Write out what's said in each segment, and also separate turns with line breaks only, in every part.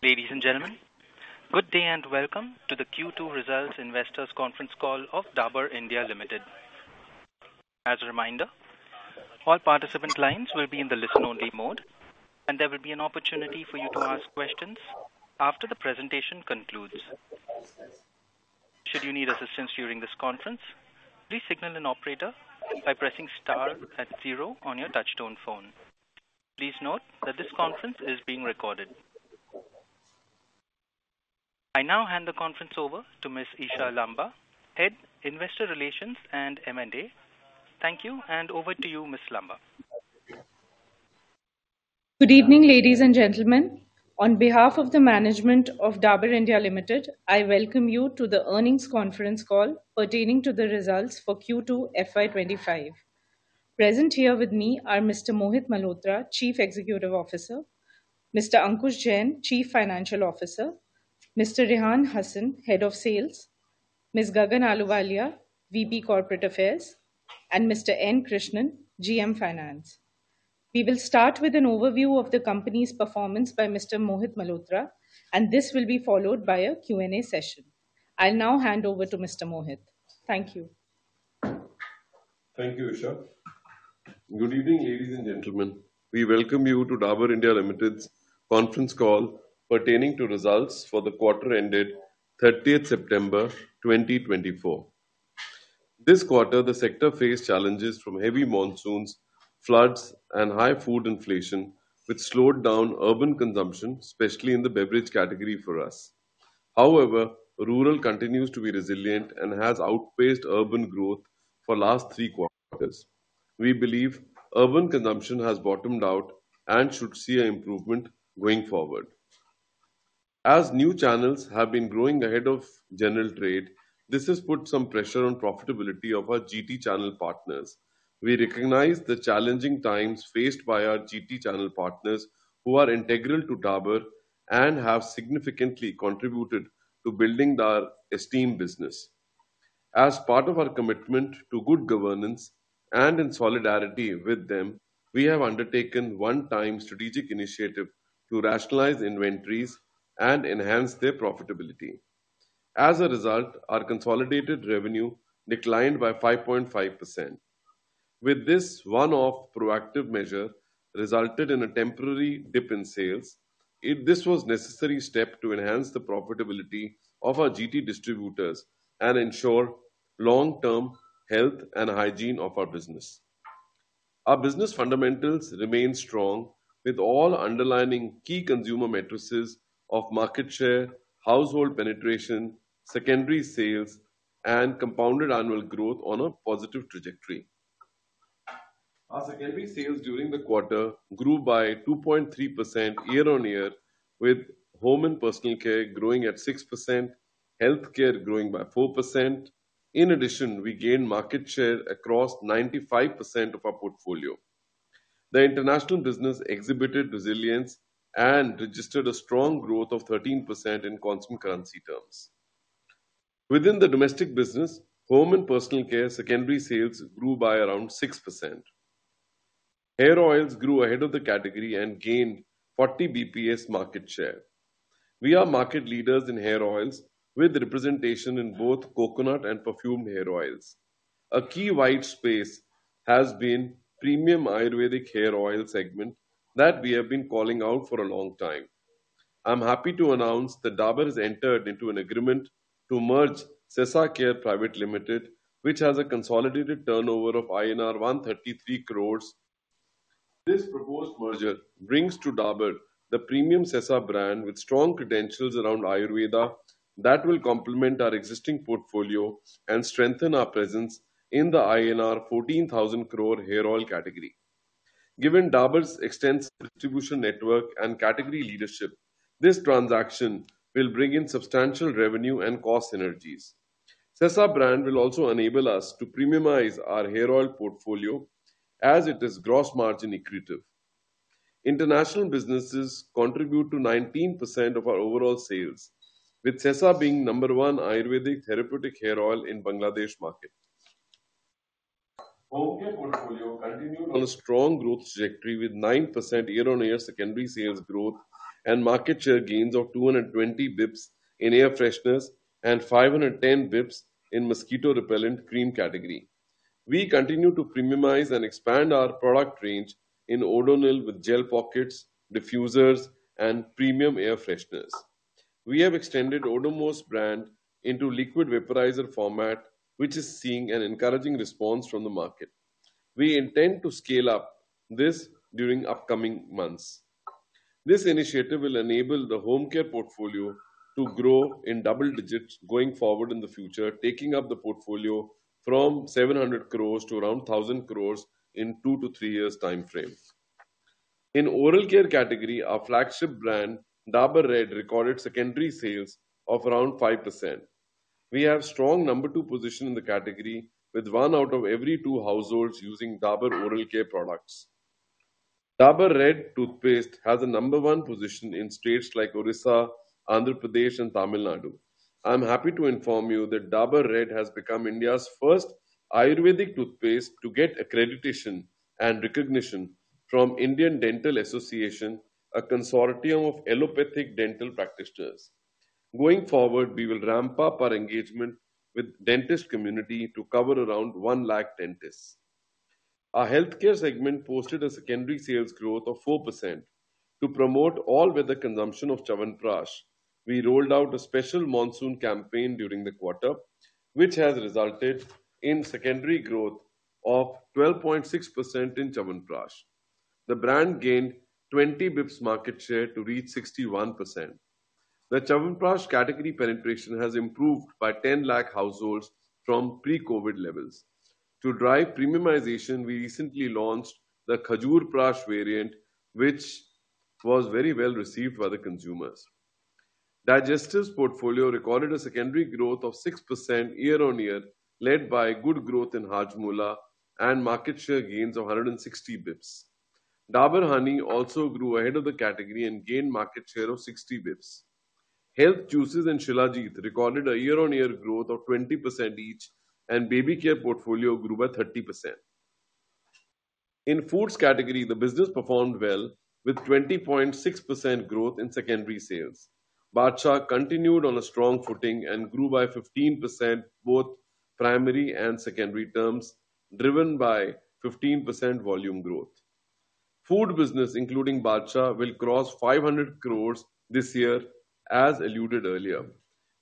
Ladies and gentlemen, good day and welcome to the Q2 Results Investors Conference Call of Dabur India Limited. As a reminder, all participant lines will be in the listen-only mode, and there will be an opportunity for you to ask questions after the presentation concludes. Should you need assistance during this conference, please signal an operator by pressing star at zero on your touch-tone phone. Please note that this conference is being recorded. I now hand the conference over to Ms. Isha Lamba, Head, Investor Relations and M&A. Thank you, and over to you, Ms. Lamba.
Good evening, ladies and gentlemen. On behalf of the management of Dabur India Limited, I welcome you to the earnings conference call pertaining to the results for Q2 FY 2025. Present here with me are Mr. Mohit Malhotra, Chief Executive Officer. Mr. Ankush Jain, Chief Financial Officer. Mr. Rehan Hasan, Head of Sales. Ms. Gagan Ahluwalia, VP Corporate Affairs. And Mr. N. Krishnan, GM Finance. We will start with an overview of the company's performance by Mr. Mohit Malhotra, and this will be followed by a Q&A session. I'll now hand over to Mr. Mohit. Thank you.
Thank you, Isha. Good evening, ladies and gentlemen. We welcome you to Dabur India Limited's conference call pertaining to results for the quarter ended 30 September 2024. This quarter, the sector faced challenges from heavy monsoons, floods, and high food inflation, which slowed down urban consumption, especially in the beverage category for us. However, rural continues to be resilient and has outpaced urban growth for the last three quarters. We believe urban consumption has bottomed out and should see an improvement going forward. As new channels have been growing ahead of general trade, this has put some pressure on the profitability of our GT channel partners. We recognize the challenging times faced by our GT channel partners, who are integral to Dabur and have significantly contributed to building our esteemed business. As part of our commitment to good governance and in solidarity with them, we have undertaken a one-time strategic initiative to rationalize inventories and enhance their profitability. As a result, our consolidated revenue declined by 5.5%. With this, one-off proactive measure resulted in a temporary dip in sales. This was a necessary step to enhance the profitability of our GT distributors and ensure long-term health and hygiene of our business. Our business fundamentals remain strong, with all underlying key consumer matrices of market share, household penetration, secondary sales, and compounded annual growth on a positive trajectory. Our secondary sales during the quarter grew by 2.3% year-on-year, with home and personal care growing at 6%, healthcare growing by 4%. In addition, we gained market share across 95% of our portfolio. The international business exhibited resilience and registered a strong growth of 13% in constant currency terms. Within the domestic business, home and personal care secondary sales grew by around 6%. Hair oils grew ahead of the category and gained 40 basis points market share. We are market leaders in hair oils, with representation in both coconut and perfumed hair oils. A key white space has been the premium Ayurvedic hair oil segment that we have been calling out for a long time. I'm happy to announce that Dabur has entered into an agreement to merge Sesa Care Private Limited, which has a consolidated turnover of INR 133 crores. This proposed merger brings to Dabur the premium Sesa brand with strong credentials around Ayurveda that will complement our existing portfolio and strengthen our presence in the INR 14,000 crore hair oil category. Given Dabur's extensive distribution network and category leadership, this transaction will bring in substantial revenue and cost synergies. The Sesa brand will also enable us to premiumize our hair oil portfolio, as it is gross margin accretive. International businesses contribute to 19% of our overall sales, with Sesa being number one Ayurvedic therapeutic hair oil in the Bangladesh market. Home care portfolio continued on a strong growth trajectory with 9% year-on-year secondary sales growth and market share gains of 220 basis points in air freshness and 510 basis points in mosquito repellent cream category. We continue to premiumize and expand our product range in Odonil with gel pockets, diffusers, and premium air freshness. We have extended Odomos brand into liquid vaporizer format, which is seeing an encouraging response from the market. We intend to scale up this during the upcoming months. This initiative will enable the home care portfolio to grow in double-digits going forward in the future, taking up the portfolio from 700 crores to around 1,000 crores in a two- to three-year time frame. In the oral care category, our flagship brand, Dabur Red, recorded secondary sales of around 5%. We have a strong number two position in the category, with one out of every two households using Dabur oral care products. Dabur Red toothpaste has a number one position in states like Odisha, Andhra Pradesh, and Tamil Nadu. I'm happy to inform you that Dabur Red has become India's first Ayurvedic toothpaste to get accreditation and recognition from the Indian Dental Association, a consortium of allopathic dental practitioners. Going forward, we will ramp up our engagement with the dentist community to cover around 1,000,000 dentists. Our healthcare segment posted a secondary sales growth of 4%. To promote all-weather consumption of Chyawanprash, we rolled out a special monsoon campaign during the quarter, which has resulted in secondary growth of 12.6% in Chyawanprash. The brand gained 20 basis points market share to reach 61%. The Chyawanprash category penetration has improved by 10,000,000 households from pre-COVID levels. To drive premiumization, we recently launched the Khajurprash variant, which was very well received by the consumers. Digestives portfolio recorded a secondary growth of 6% year-on-year, led by good growth in Hajmola and market share gains of 160 basis points. Dabur Honey also grew ahead of the category and gained market share of 60 basis points. Health Juices and Shilajit recorded a year-on-year growth of 20% each, and Baby Care portfolio grew by 30%. In the foods category, the business performed well, with 20.6% growth in secondary sales. Badshah continued on a strong footing and grew by 15% both primary and secondary terms, driven by 15% volume growth. Food business, including Badshah, will cross 500 crores this year, as alluded earlier.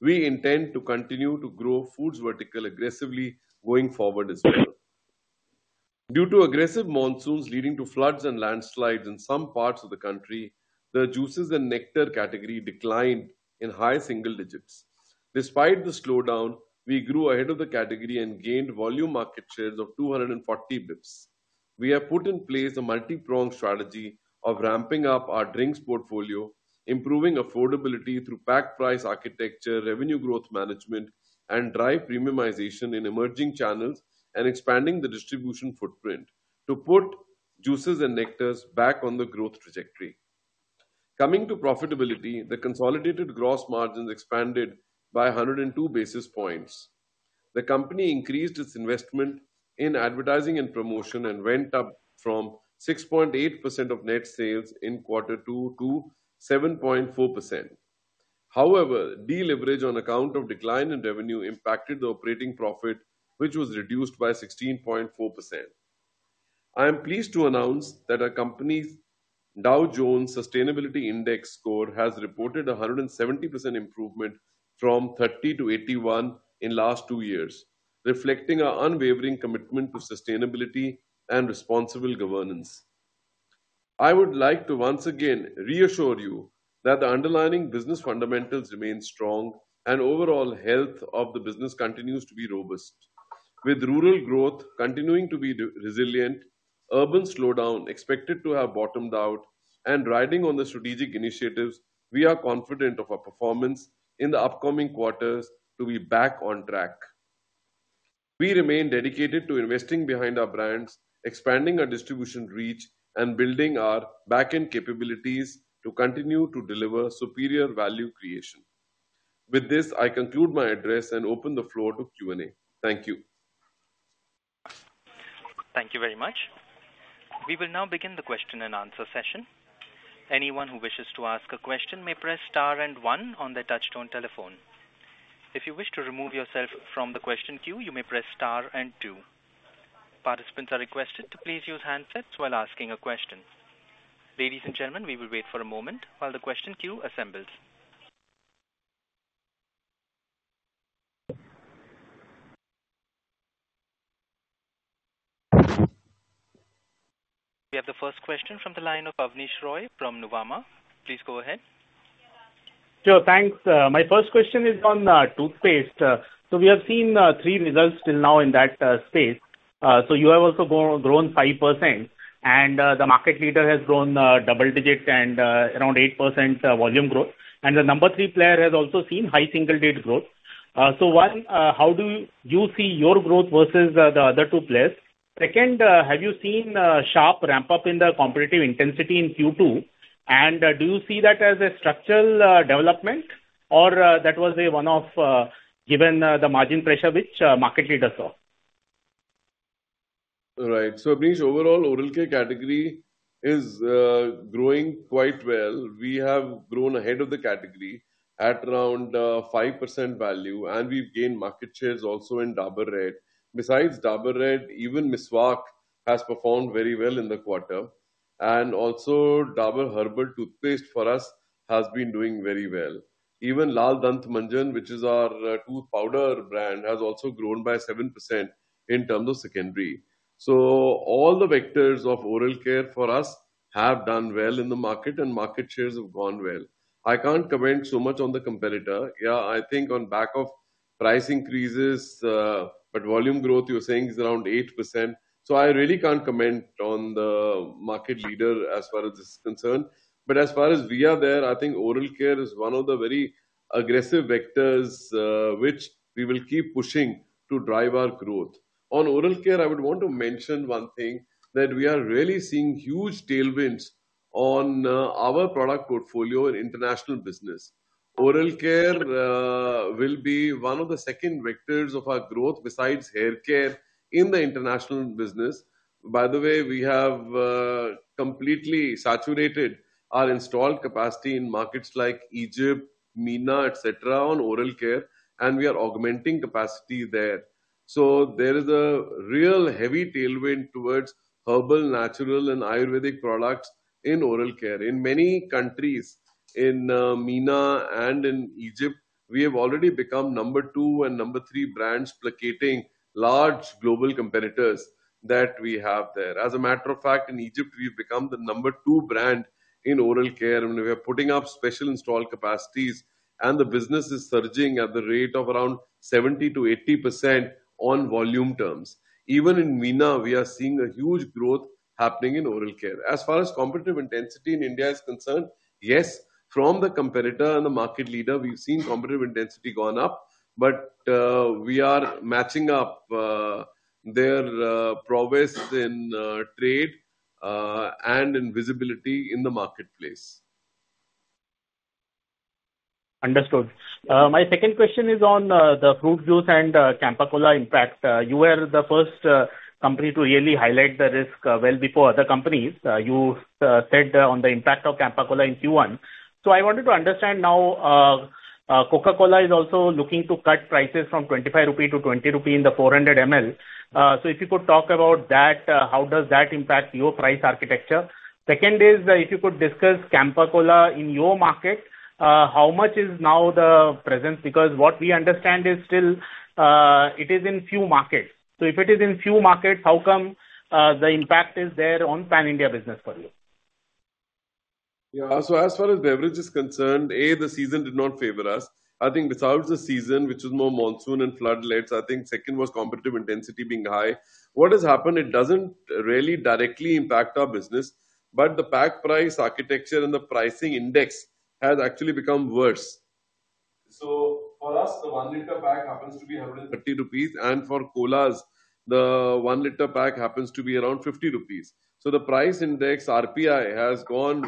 We intend to continue to grow foods vertically aggressively going forward as well. Due to aggressive monsoons leading to floods and landslides in some parts of the country, the juices and nectar category declined in high single-digits. Despite the slowdown, we grew ahead of the category and gained volume market shares of 240 basis points. We have put in place a multi-pronged strategy of ramping up our drinks portfolio, improving affordability through pack-price architecture, revenue growth management, and drive premiumization in emerging channels, and expanding the distribution footprint to put juices and nectars back on the growth trajectory. Coming to profitability, the consolidated gross margins expanded by 102 basis points. The company increased its investment in advertising and promotion and went up from 6.8% of net sales in quarter two to 7.4%. However, deleverage on account of decline in revenue impacted the operating profit, which was reduced by 16.4%. I am pleased to announce that our company's Dow Jones Sustainability Index score has reported a 170% improvement from 30-81 in the last two years, reflecting our unwavering commitment to sustainability and responsible governance. I would like to once again reassure you that the underlying business fundamentals remain strong and the overall health of the business continues to be robust. With rural growth continuing to be resilient, urban slowdown expected to have bottomed out, and riding on the strategic initiatives, we are confident of our performance in the upcoming quarters to be back on track. We remain dedicated to investing behind our brands, expanding our distribution reach, and building our back-end capabilities to continue to deliver superior value creation. With this, I conclude my address and open the floor to Q&A. Thank you.
Thank you very much. We will now begin the question and answer session. Anyone who wishes to ask a question may press star and one on their touch-tone telephone. If you wish to remove yourself from the question queue, you may press star and two. Participants are requested to please use handsets while asking a question. Ladies and gentlemen, we will wait for a moment while the question queue assembles. We have the first question from the line of Abneesh Roy from Nuvama. Please go ahead.
Sure, thanks. My first question is on toothpaste. So we have seen three results till now in that space. So you have also grown 5%, and the market leader has grown double-digits and around 8% volume growth. And the number three player has also seen high single-digit growth. So one, how do you see your growth versus the other two players? Second, have you seen a sharp ramp-up in the competitive intensity in Q2? And do you see that as a structural development, or that was one-off, given the margin pressure, which market leaders saw?
Right. So Abneesh, overall, Oral Care category is growing quite well. We have grown ahead of the category at around 5% value, and we've gained market shares also in Dabur Red. Besides Dabur Red, even Meswak has performed very well in the quarter. And also, Dabur Herbal Toothpaste for us has been doing very well. Even Lal Dant Manjan, which is our tooth powder brand, has also grown by 7% in terms of secondary. So all the vectors of Oral Care for us have done well in the market, and market shares have gone well. I can't comment so much on the competitor. Yeah, I think on the back of price increases, but volume growth, you're saying, is around 8%. So I really can't comment on the market leader as far as this is concerned. But as far as we are there, I think Oral Care is one of the very aggressive vectors which we will keep pushing to drive our growth. On Oral Care, I would want to mention one thing that we are really seeing huge tailwinds on our product portfolio in international business. Oral Care will be one of the second vectors of our growth besides hair care in the international business. By the way, we have completely saturated our installed capacity in markets like Egypt, MENA, etc., on Oral Care, and we are augmenting capacity there. So there is a real heavy tailwind towards herbal, natural, and Ayurvedic products in Oral Care. In many countries, in MENA and in Egypt, we have already become number two and number three brands, placating large global competitors that we have there. As a matter of fact, in Egypt, we've become the number two brand in Oral Care, and we are putting up special installed capacities, and the business is surging at the rate of around 70%-80% on volume terms. Even in MENA, we are seeing a huge growth happening in Oral Care. As far as competitive intensity in India is concerned, yes, from the competitor and the market leader, we've seen competitive intensity going up, but we are matching up their prowess in trade and in visibility in the marketplace.
Understood. My second question is on the fruit juice and Campa Cola impact. You were the first company to really highlight the risk well before other companies. You said on the impact of Campa Cola in Q1. So I wanted to understand now, Coca-Cola is also looking to cut prices from 25-20 rupees in the 400 ml. So if you could talk about that, how does that impact your price architecture? Second is, if you could discuss Campa Cola in your market, how much is now the presence? Because what we understand is still it is in few markets. So if it is in few markets, how come the impact is there on pan-India business for you?
Yeah, so as far as beverage is concerned, A, the season did not favor us. I think without the season, which is more monsoon and flood-led, I think second was competitive intensity being high. What has happened, it doesn't really directly impact our business, but the pack price architecture and the pricing index has actually become worse. So for us, the one-liter pack happens to be 130 rupees, and for colas, the one-liter pack happens to be around 50 rupees. So the price index RPI has gone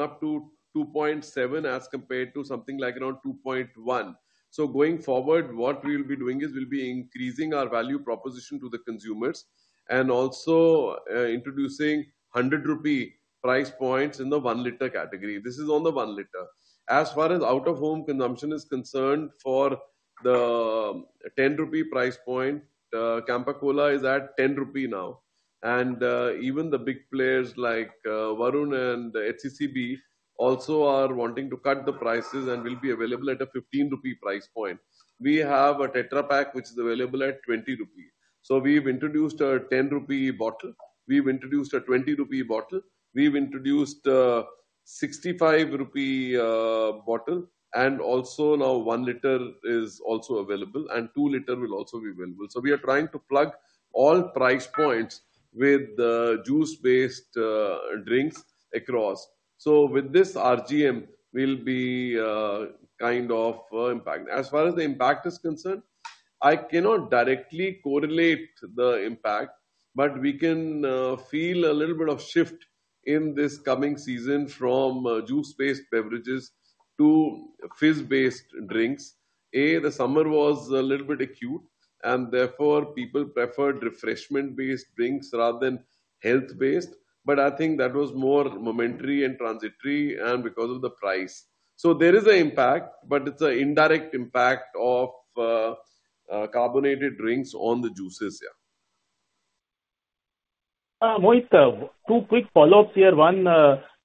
up to 2.7 as compared to something like around 2.1. So going forward, what we will be doing is we'll be increasing our value proposition to the consumers and also introducing 100 rupee price points in the one-liter category. This is on the one-liter. As far as out-of-home consumption is concerned, for the 10 rupee price point, Campa Cola is at 10 rupee now. And even the big players like Varun and HCCB also are wanting to cut the prices and will be available at an 15 rupee price point. We have a Tetra Pak, which is available at 20 rupee. So we've introduced an 10 rupee bottle. We've introduced an 20 rupee bottle. We've introduced an 65 rupee bottle, and also now one-liter is also available, and two-liter will also be available. So we are trying to plug all price points with the juice-based drinks across. So with this RGM, we'll be kind of impacting. As far as the impact is concerned, I cannot directly correlate the impact, but we can feel a little bit of shift in this coming season from juice-based beverages to fizz-based drinks. A, the summer was a little bit acute, and therefore people preferred refreshment-based drinks rather than health-based, but I think that was more momentary and transitory and because of the price. So there is an impact, but it's an indirect impact of carbonated drinks on the juices.
Mohit, two quick follow-ups here. One,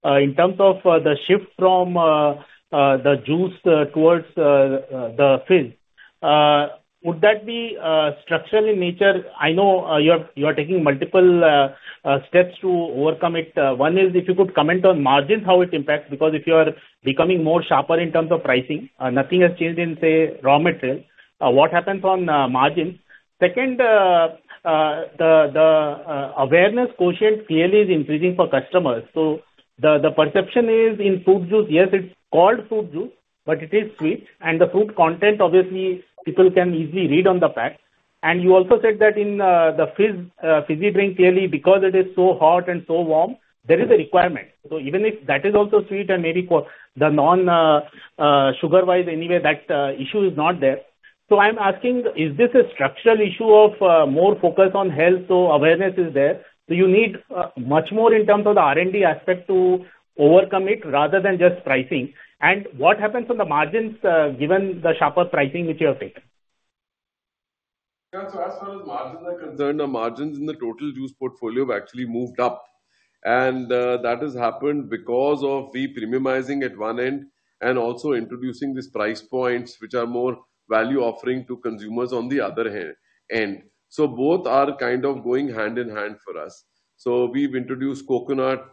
in terms of the shift from the juice towards the fizz, would that be structural in nature? I know you are taking multiple steps to overcome it. One is, if you could comment on margins, how it impacts, because if you are becoming more sharper in terms of pricing, nothing has changed in, say, raw material. What happens on margins? Second, the awareness quotient clearly is increasing for customers. So the perception is in fruit juice, yes, it's called fruit juice, but it is sweet, and the fruit content, obviously, people can easily read on the pack. And you also said that in the fizz drink, clearly, because it is so hot and so warm, there is a requirement. So even if that is also sweet and maybe for the non-sugar-wise, anyway, that issue is not there. So I'm asking, is this a structural issue of more focus on health? So awareness is there. Do you need much more in terms of the R&D aspect to overcome it rather than just pricing? And what happens on the margins, given the sharper pricing, which you have said?
Yeah, so as far as margins are concerned, the margins in the total juice portfolio have actually moved up, and that has happened because of we premiumizing at one end and also introducing these price points, which are more value offering to consumers on the other end, so both are kind of going hand in hand for us, so we've introduced coconut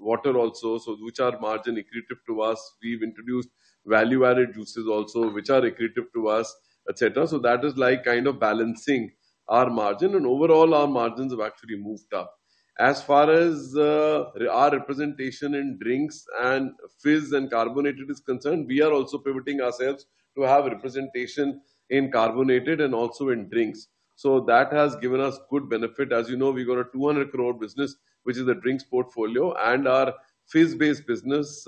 water also, which are margin-accretive to us. We've introduced value-added juices also, which are accretive to us, etc., so that is like kind of balancing our margin, and overall, our margins have actually moved up. As far as our representation in drinks and fizz and carbonated is concerned, we are also pivoting ourselves to have representation in carbonated and also in drinks, so that has given us good benefit. As you know, we've got an 200 crore business, which is the drinks portfolio, and our fizz-based business,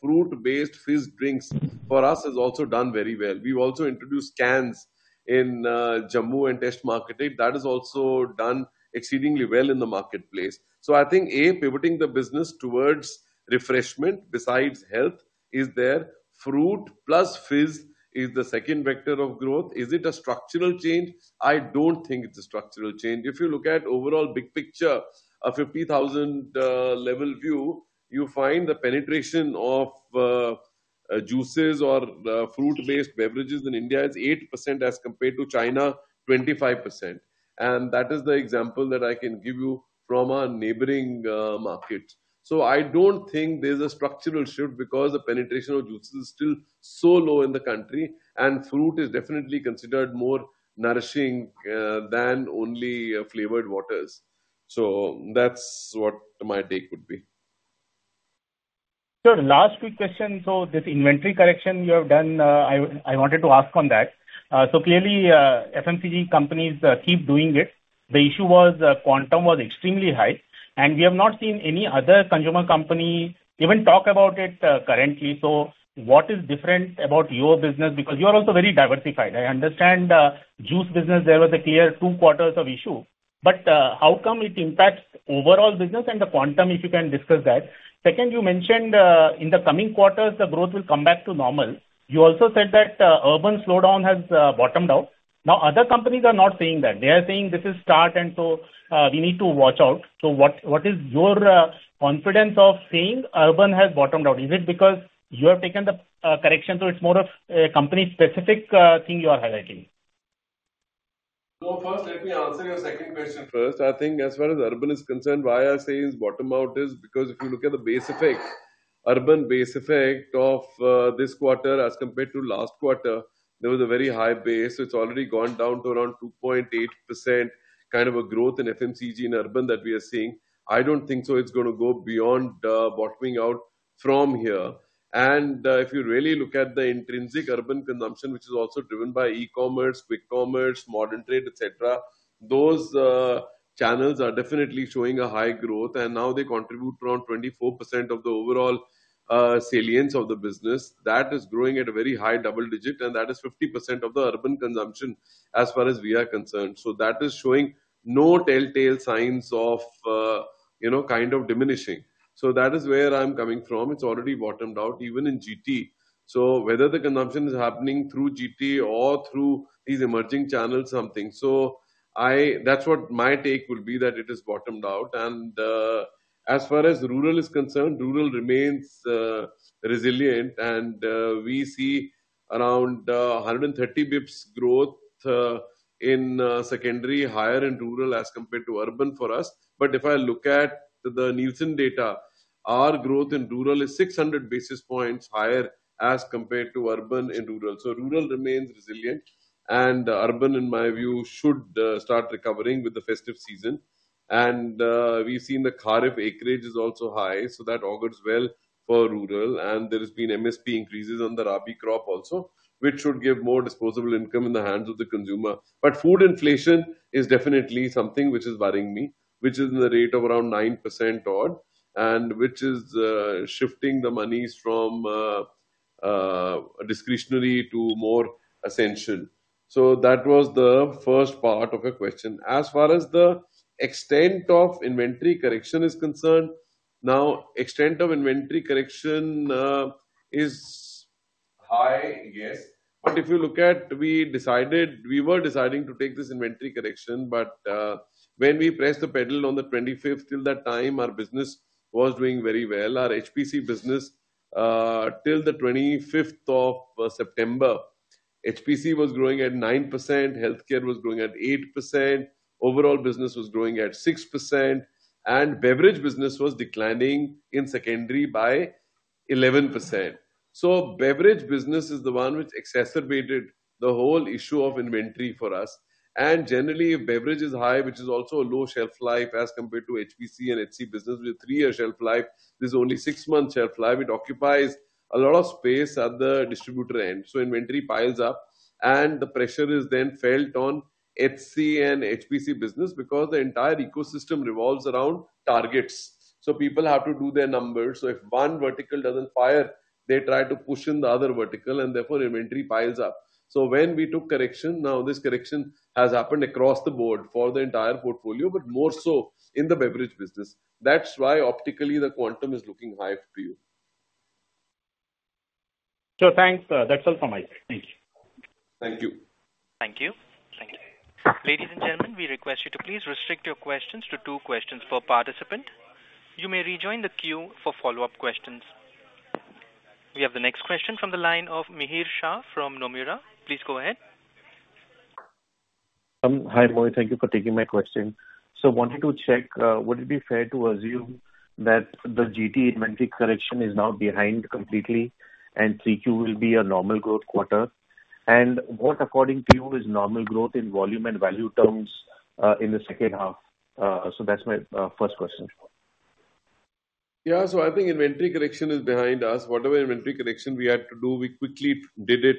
fruit-based fizz drinks for us has also done very well. We've also introduced cans in Jammu and tier market. That has also done exceedingly well in the marketplace. So I think, A, pivoting the business towards refreshment besides health is there. Fruit plus fizz is the second vector of growth. Is it a structural change? I don't think it's a structural change. If you look at overall big picture, a 50,000-level view, you find the penetration of juices or fruit-based beverages in India is 8% as compared to China, 25%. And that is the example that I can give you from our neighboring markets. So I don't think there's a structural shift because the penetration of juices is still so low in the country, and fruit is definitely considered more nourishing than only flavored waters. So that's what my take would be.
Sure. Last quick question. So this inventory correction you have done, I wanted to ask on that. So clearly, FMCG companies keep doing it. The issue was quantum was extremely high, and we have not seen any other consumer company even talk about it currently. So what is different about your business? Because you are also very diversified. I understand juice business, there was a clear two quarters of issue. But how come it impacts overall business and the quantum, if you can discuss that? Second, you mentioned in the coming quarters, the growth will come back to normal. You also said that urban slowdown has bottomed out. Now, other companies are not saying that. They are saying this is start, and so we need to watch out. So what is your confidence of saying urban has bottomed out? Is it because you have taken the correction? So it's more of a company-specific thing you are highlighting?
No, first, let me answer your second question first. I think as far as urban is concerned, why I say it's bottomed out is because if you look at the base effect, urban base effect of this quarter as compared to last quarter, there was a very high base. It's already gone down to around 2.8% kind of a growth in FMCG and urban that we are seeing. I don't think so it's going to go beyond bottoming out from here. And if you really look at the intrinsic urban consumption, which is also driven by e-commerce, quick commerce, modern trade, etc., those channels are definitely showing a high growth, and now they contribute around 24% of the overall salience of the business. That is growing at a very high double-digit, and that is 50% of the urban consumption as far as we are concerned. So that is showing no telltale signs of kind of diminishing. So that is where I'm coming from. It's already bottomed out even in GT. So whether the consumption is happening through GT or through these emerging channels, something. So that's what my take would be, that it is bottomed out. And as far as rural is concerned, rural remains resilient, and we see around 130 basis points growth in secondary higher in rural as compared to urban for us. But if I look at the Nielsen data, our growth in rural is 600 basis points higher as compared to urban in rural. So rural remains resilient, and urban, in my view, should start recovering with the festive season. And we've seen the Kharif acreage is also high, so that augurs well for rural. And there have been MSP increases on the Rabi crop also, which should give more disposable income in the hands of the consumer. But food inflation is definitely something which is worrying me, which is in the rate of around 9% odd and which is shifting the monies from discretionary to more essentials. So that was the first part of your question. As far as the extent of inventory correction is concerned, now extent of inventory correction is high, yes. But if you look at, we were deciding to take this inventory correction, but when we pressed the pedal on the 25th, till that time, our business was doing very well. Our HPC business, till the 25th of September, HPC was growing at 9%, healthcare was growing at 8%, overall business was growing at 6%, and beverage business was declining in secondary by 11%. So beverage business is the one which exacerbated the whole issue of inventory for us. And generally, if beverage is high, which is also a low shelf life as compared to HPC and HC business with a three-year shelf life, this is only six months shelf life. It occupies a lot of space at the distributor end. So inventory piles up, and the pressure is then felt on HC and HPC business because the entire ecosystem revolves around targets. So people have to do their numbers. So if one vertical doesn't fire, they try to push in the other vertical, and therefore inventory piles up. So when we took correction, now this correction has happened across the board for the entire portfolio, but more so in the beverage business. That's why optically the quantum is looking high to you.
Sure. Thanks. That's all from my side. Thank you.
Thank you.
Thank you.
Thank you.
Ladies and gentlemen, we request you to please restrict your questions to two questions per participant. You may rejoin the queue for follow-up questions. We have the next question from the line of Mihir Shah from Nomura. Please go ahead.
Hi, Mohit. Thank you for taking my question. So wanted to check, would it be fair to assume that the GT inventory correction is now behind completely and Q3 will be a normal growth quarter? And what, according to you, is normal growth in volume and value terms in the second half? So that's my first question.
Yeah. So I think inventory correction is behind us. Whatever inventory correction we had to do, we quickly did it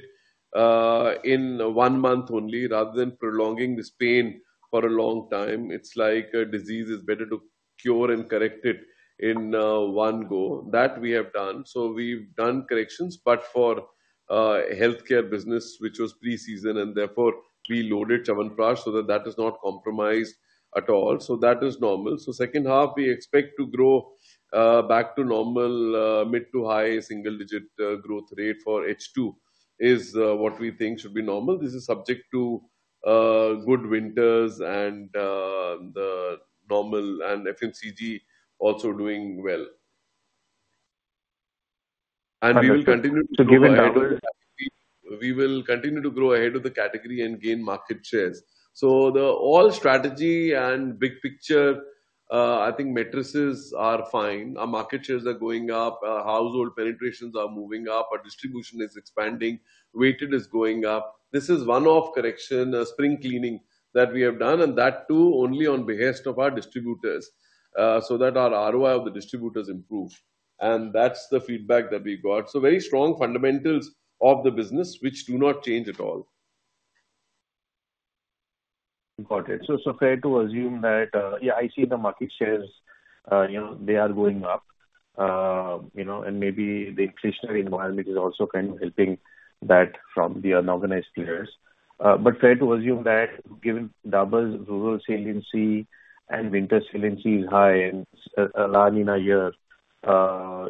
in one month only rather than prolonging this pain for a long time. It's like a disease is better to cure and correct it in one go. That we have done. So we've done corrections, but for healthcare business, which was pre-season, and therefore we loaded Chyawanprash so that that is not compromised at all. So that is normal. Second half, we expect to grow back to normal. Mid- to high-single-digit growth rate for H2 is what we think should be normal. This is subject to good winters and the normal and FMCG also doing well. We will continue to grow ahead of the category and gain market shares. The overall strategy and big picture, I think metrics are fine. Our market shares are going up. Household penetrations are moving up. Our distribution is expanding. Weighted is going up. This is one-off correction, spring cleaning that we have done, and that too only on behest of our distributors so that our ROI of the distributors improved. And that's the feedback that we got. So very strong fundamentals of the business, which do not change at all.
Got it. So fair to assume that, yeah, I see the market shares, they are going up, and maybe the inflationary environment is also kind of helping that from the unorganized players. But fair to assume that given Dabur's rural saliency and winter saliency is high and large in a year,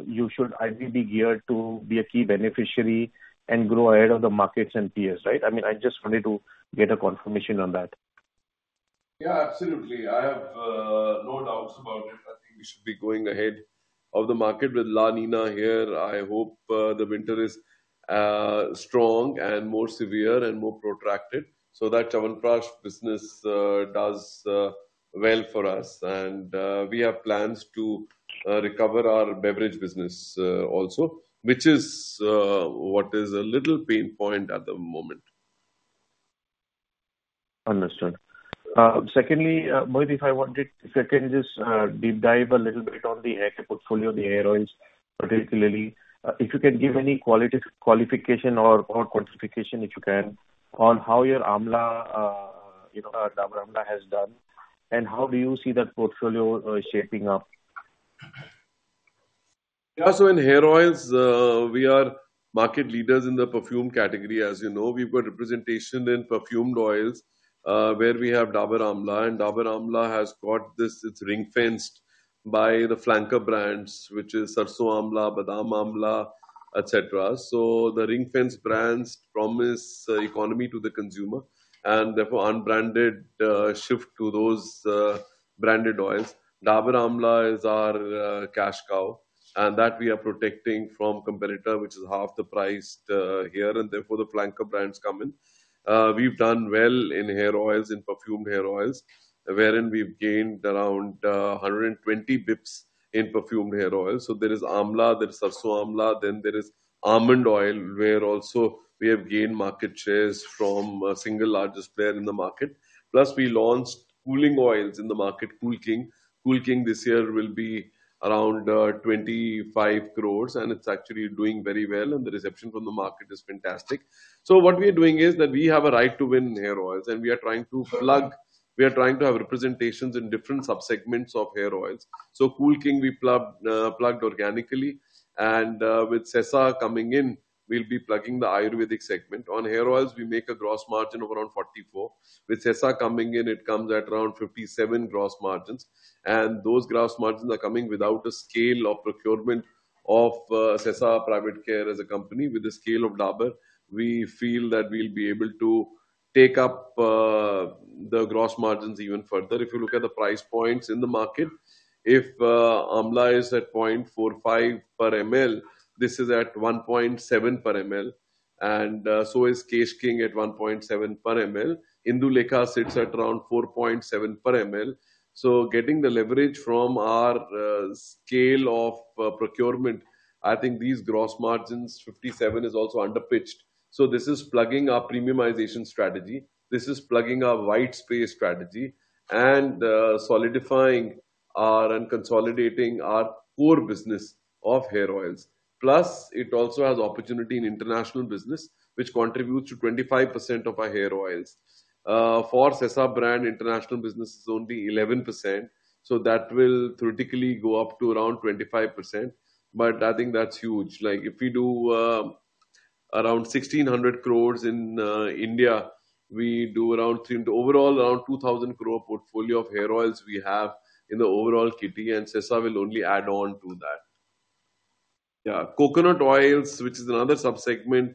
you should be geared to be a key beneficiary and grow ahead of the markets and peers, right? I mean, I just wanted to get a confirmation on that.
Yeah, absolutely. I have no doubts about it. I think we should be going ahead of the market with La Niña here. I hope the winter is strong and more severe and more protracted so that Chyawanprash business does well for us. And we have plans to recover our beverage business also, which is what is a little pain point at the moment.
Understood. Secondly, Mohit, if I wanted to just deep dive a little bit on the haircare portfolio, the hair oils, particularly, if you can give any qualification or quantification, if you can, on how your Amla, Dabur Amla has done, and how do you see that portfolio shaping up?
Yeah. So in hair oils, we are market leaders in the perfume category, as you know. We've got representation in perfumed oils where we have Dabur Amla, and Dabur Amla has got this. It's ring-fenced by the flanker brands, which is Sarson Amla, Badam Amla, etc. So the ring-fenced brands promise economy to the consumer, and therefore unbranded shift to those branded oils. Dabur Amla is our cash cow, and that we are protecting from competitor, which is half the price here, and therefore the flanker brands come in. We've done well in hair oils, in perfumed hair oils, wherein we've gained around 120 basis points in perfumed hair oils. So there is Amla, there is Sarson Amla, then there is almond oil, where also we have gained market shares from a single largest player in the market. Plus, we launched cooling oils in the market, Cool King. Cool King this year will be around 25 crores, and it's actually doing very well, and the reception from the market is fantastic. So what we are doing is that we have a right to win in hair oils, and we are trying to plug. We are trying to have representations in different subsegments of hair oils. So Cool King, we plugged organically, and with Sesa coming in, we'll be plugging the Ayurvedic segment. On hair oils, we make a gross margin of around 44%. With Sesa coming in, it comes at around 57% gross margins. And those gross margins are coming without a scale of procurement of Sesa Care as a company with the scale of Dabur. We feel that we'll be able to take up the gross margins even further. If you look at the price points in the market, if Amla is at 0.45 per ml, this is at 1.7 per ml, and so is Kesh King at 1.7 per ml. Indulekha sits at around 4.7 per ml. So getting the leverage from our scale of procurement, I think these gross margins, 57 is also underpitched. So this is plugging our premiumization strategy. This is plugging our white space strategy and solidifying our and consolidating our core business of hair oils. Plus, it also has opportunity in international business, which contributes to 25% of our hair oils. For Sesa brand, international business is only 11%. So that will theoretically go up to around 25%. But I think that's huge. Like if we do around 1,600 crores in India, we do around overall around 2,000 crore portfolio of hair oils we have in the overall kitty, and Sesa will only add on to that. Yeah. Coconut oils, which is another subsegment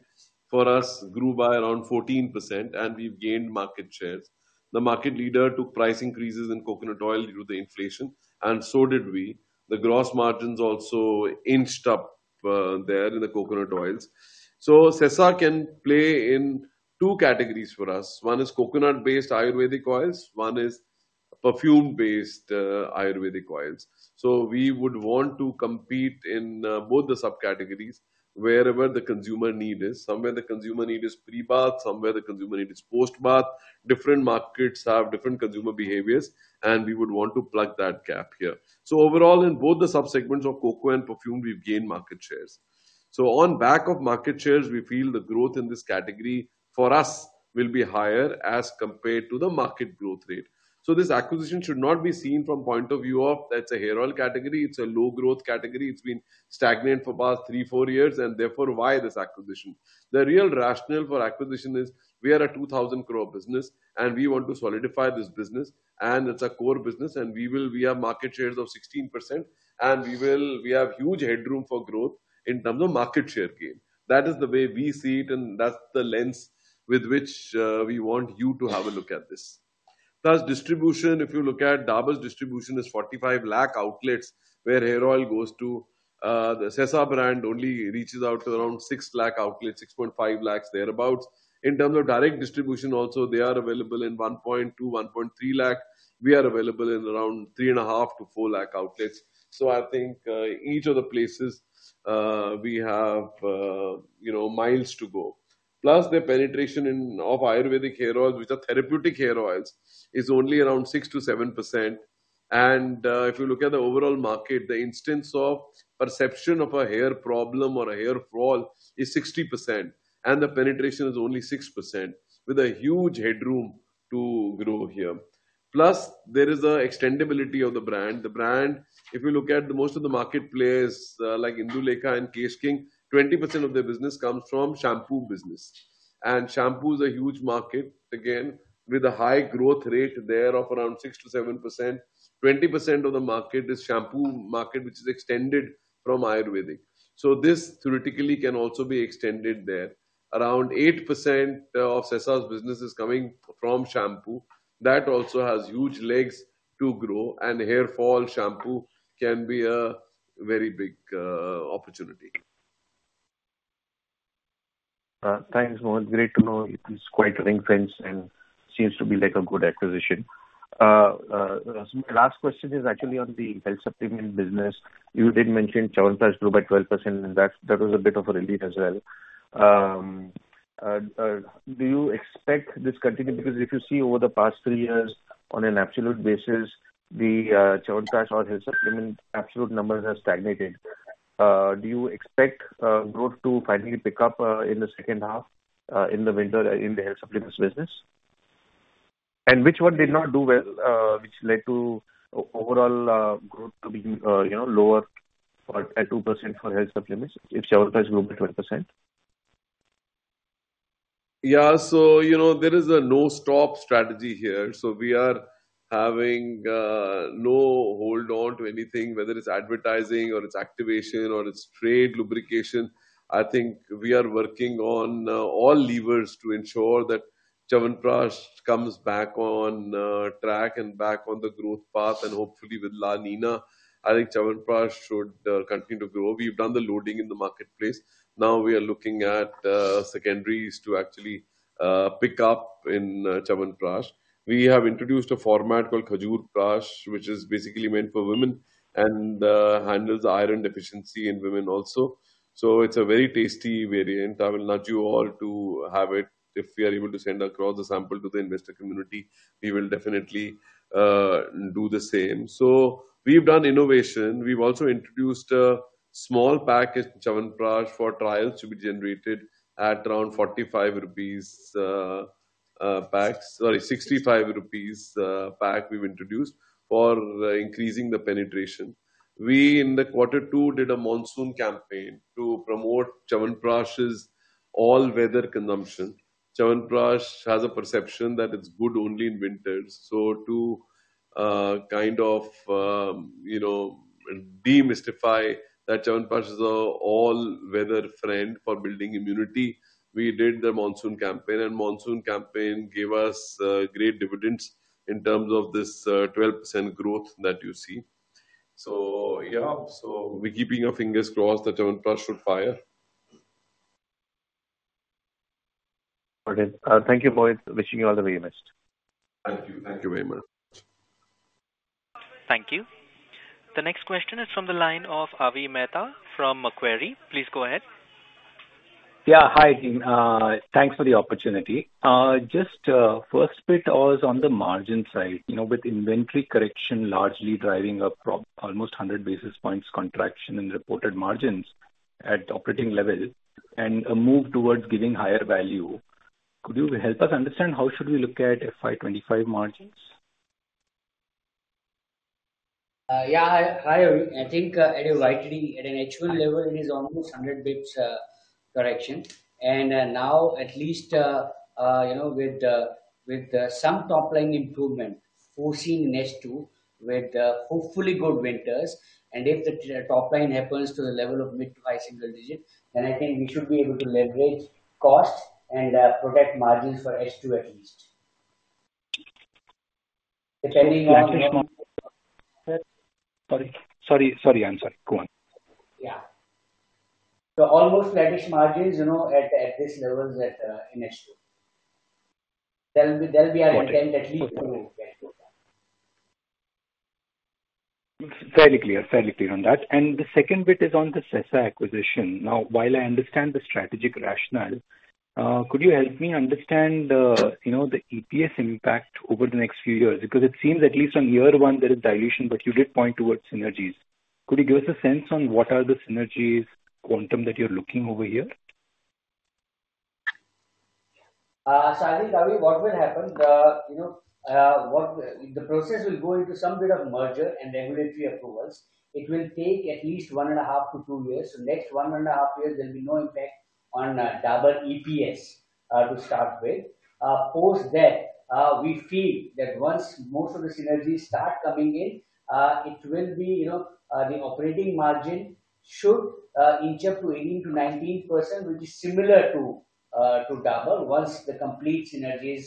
for us, grew by around 14%, and we've gained market shares. The market leader took price increases in coconut oil due to the inflation, and so did we. The gross margins also inched up there in the coconut oils. So Sesa can play in two categories for us. One is coconut-based ayurvedic oils. One is perfume-based ayurvedic oils. So we would want to compete in both the subcategories wherever the consumer need is. Somewhere the consumer need is pre-bath, somewhere the consumer need is post-bath. Different markets have different consumer behaviors, and we would want to plug that gap here. So overall, in both the subsegments of cocoa and perfume, we've gained market shares. So on back of market shares, we feel the growth in this category for us will be higher as compared to the market growth rate. So this acquisition should not be seen from the point of view of that's a hair oil category. It's a low-growth category. It's been stagnant for past three, four years, and therefore why this acquisition? The real rationale for acquisition is we are a 2,000 crore business, and we want to solidify this business, and it's a core business, and we have market shares of 16%, and we have huge headroom for growth in terms of market share gain. That is the way we see it, and that's the lens with which we want you to have a look at this. Plus, distribution, if you look at Dabur's distribution, is 45 lakh outlets where hair oil goes to. The Sesa brand only reaches out to around 6 lakh outlets, 6.5 lakhs, thereabouts. In terms of direct distribution, also they are available in 1.2 lakh, 1.3 lakh. We are available in around 3.5 lakh-4 lakh outlets. So I think each of the places we have miles to go. Plus, the penetration of Ayurvedic hair oils, which are therapeutic hair oils, is only around 6%-7%. And if you look at the overall market, the incidence of perception of a hair problem or a hair fall is 60%, and the penetration is only 6% with a huge headroom to grow here. Plus, there is an extendability of the brand. The brand, if you look at most of the market players like Indulekha and Kesh King, 20% of their business comes from shampoo business. And shampoo is a huge market, again, with a high growth rate there of around 6%-7%. 20% of the market is shampoo market, which is extended from Ayurvedic. So this theoretically can also be extended there. Around 8% of Sesa's business is coming from shampoo. That also has huge legs to grow, and hair fall shampoo can be a very big opportunity.
Thanks, Mohit. Great to know it's quite ring-fenced and seems to be like a good acquisition. Last question is actually on the health supplement business. You did mention Chyawanprash grew by 12%, and that was a bit of a relief as well. Do you expect this continued? Because if you see over the past three years, on an absolute basis, the Chyawanprash or health supplement absolute numbers have stagnated. Do you expect growth to finally pick up in the second half, in the winter, in the health supplements business? And which one did not do well, which led to overall growth to be lower at 2% for health supplements if Chyawanprash grew by 12%?
Yeah. So there is a no-stop strategy here. So we are having no hold on to anything, whether it's advertising or it's activation or it's trade lubrication. I think we are working on all levers to ensure that Chyawanprash comes back on track and back on the growth path, and hopefully with La Niña, I think Chyawanprash should continue to grow. We've done the loading in the marketplace. Now we are looking at secondaries to actually pick up in Chyawanprash. We have introduced a format called Khajur Prash, which is basically meant for women and handles iron deficiency in women also. So it's a very tasty variant. I will nudge you all to have it. If we are able to send across the sample to the investor community, we will definitely do the same. So we've done innovation. We've also introduced a small package Chyawanprash for trials to be generated at around 45 rupees packs, sorry, 65 rupees pack we've introduced for increasing the penetration. We in the quarter two did a monsoon campaign to promote Chyawanprash's all-weather consumption. Chyawanprash has a perception that it's good only in winters. So to kind of demystify that Chyawanprash is an all-weather friend for building immunity, we did the monsoon campaign, and monsoon campaign gave us great dividends in terms of this 12% growth that you see. So yeah, so we're keeping our fingers crossed that Chyawanprash should fire.
Got it. Thank you, Mohit. Wishing you all the very best.
Thank you. Thank you very much.
Thank you. The next question is from the line of Avi Mehta from Macquarie. Please go ahead.
Yeah, hi, team. Thanks for the opportunity. Just first bit was on the margin side. With inventory correction largely driving up almost 100 basis points contraction in reported margins at operating level and a move towards giving higher value, could you help us understand how should we look at FY25 margins?
Yeah, hi. I think at a GT and at an actual level, it is almost 100 basis points correction. And now at least with some top-line improvement, foreseen in S2 with hopefully good winters. And if the top-line happens to the level of mid to high single-digit, then I think we should be able to leverage cost and protect margins for S2 at least. Depending on.
Sorry, I'm sorry. Go on.
Yeah. So almost flatish margins at this level in Q2. They'll be intent at least to get to that.
Fairly clear, fairly clear on that. And the second bit is on the Sesa acquisition. Now, while I understand the strategic rationale, could you help me understand the EPS impact over the next few years? Because it seems at least on year one, there is dilution, but you did point towards synergies. Could you give us a sense on what are the synergies quantum that you're looking over here?
I think, Avi, what will happen? The process will go into some bit of merger and regulatory approvals. It will take at least one and a half to two years. Next one and a half years, there'll be no impact on Dabur EPS to start with. Post that, we feel that once most of the synergies start coming in, it will be the operating margin should inch up to 18%-19%, which is similar to Dabur once the complete synergies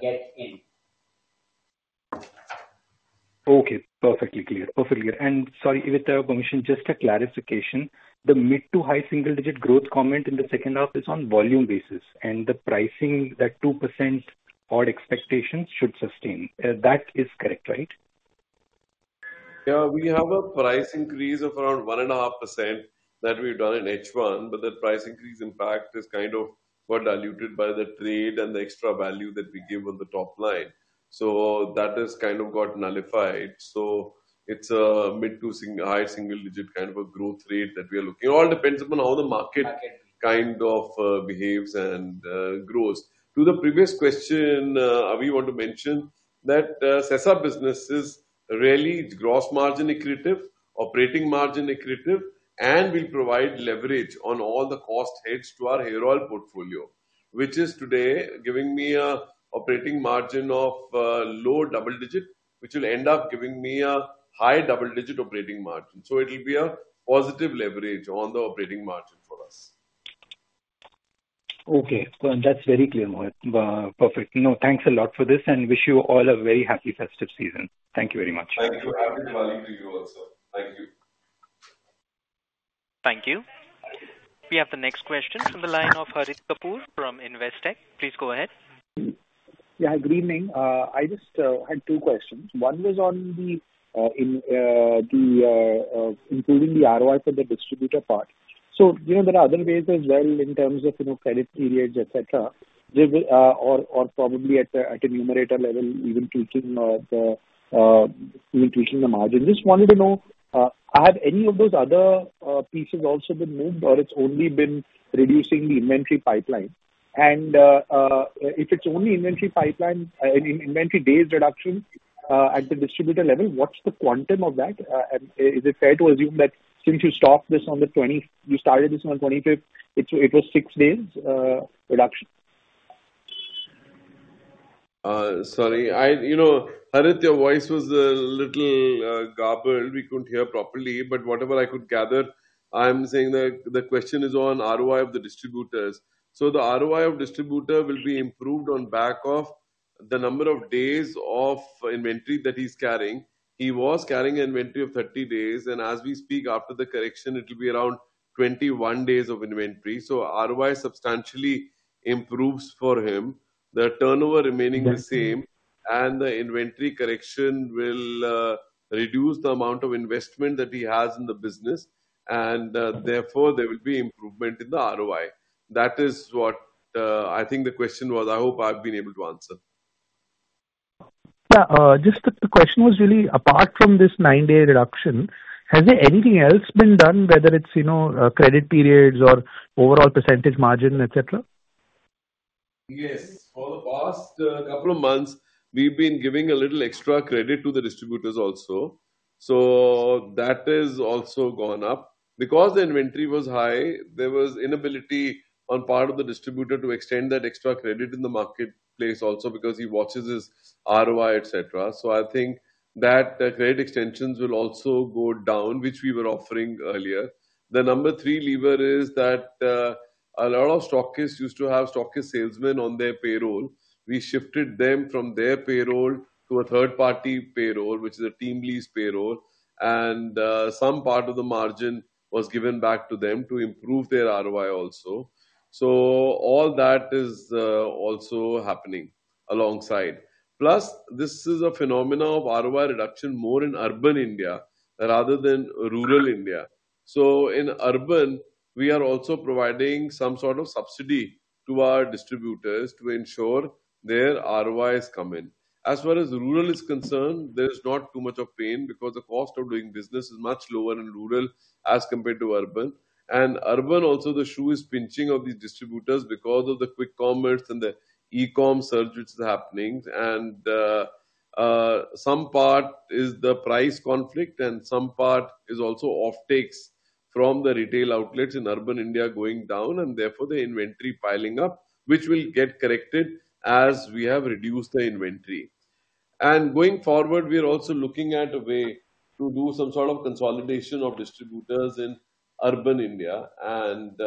get in.
Okay. Perfectly clear. Perfectly clear. And sorry, with permission, just a clarification. The mid to high single-digit growth comment in the second half is on volume basis, and the pricing, that 2% odd expectations should sustain. That is correct, right?
Yeah. We have a price increase of around 1.5% that we've done in H1, but the price increase, in fact, is kind of diluted by the trade and the extra value that we give on the top line. So that has kind of got nullified. So it's a mid to high single-digit kind of a growth rate that we are looking. It all depends upon how the market kind of behaves and grows. To the previous question, Avi wanted to mention that Sesa business is really gross margin accretive, operating margin accretive, and will provide leverage on all the cost heads to our hair oil portfolio, which is today giving me an operating margin of low double-digit, which will end up giving me a high double-digit operating margin. So it will be a positive leverage on the operating margin for us.
Okay. That's very clear, Mohit. Perfect. No, thanks a lot for this and wish you all a very happy festive season. Thank you very much.
Thank you. Happy Diwali to you also. Thank you.
Thank you. We have the next question from the line of Harit Kapoor from Investec. Please go ahead.
Yeah, good evening. I just had two questions. One was on improving the ROI for the distributor part. So there are other ways as well in terms of credit periods, etc., or probably at a numerator level, even tweaking the margin. Just wanted to know, have any of those other pieces also been moved, or it's only been reducing the inventory pipeline? And if it's only inventory pipeline, inventory days reduction at the distributor level, what's the quantum of that? And is it fair to assume that since you stopped this on the 20th, you started this on the 25th, it was six days reduction?
Sorry. Harit, your voice was a little garbled. We couldn't hear properly. But whatever I could gather, I'm saying that the question is on ROI of the distributors. So the ROI of distributor will be improved on back of the number of days of inventory that he's carrying. He was carrying an inventory of 30 days, and as we speak, after the correction, it will be around 21 days of inventory. So ROI substantially improves for him. The turnover remaining the same, and the inventory correction will reduce the amount of investment that he has in the business, and therefore there will be improvement in the ROI. That is what I think the question was. I hope I've been able to answer.
Yeah. Just the question was really, apart from this nine-day reduction, has there anything else been done, whether it's credit periods or overall percentage margin, etc.?
Yes. For the past couple of months, we've been giving a little extra credit to the distributors also. So that has also gone up. Because the inventory was high, there was inability on part of the distributor to extend that extra credit in the marketplace also because he watches his ROI, etc. So I think that credit extensions will also go down, which we were offering earlier. The number three lever is that a lot of stockists used to have stockist salesmen on their payroll. We shifted them from their payroll to a third-party payroll, which is a TeamLease payroll, and some part of the margin was given back to them to improve their ROI also. So all that is also happening alongside. Plus, this is a phenomenon of ROI reduction more in urban India rather than rural India. So in urban, we are also providing some sort of subsidy to our distributors to ensure their ROI is coming. As far as rural is concerned, there is not too much of pain because the cost of doing business is much lower in rural as compared to urban. And urban also, the shoe is pinching of these distributors because of the Quick commerce and the e-com surge which is happening. And some part is the price conflict, and some part is also offtakes from the retail outlets in urban India going down, and therefore the inventory piling up, which will get corrected as we have reduced the inventory. And going forward, we are also looking at a way to do some sort of consolidation of distributors in urban India and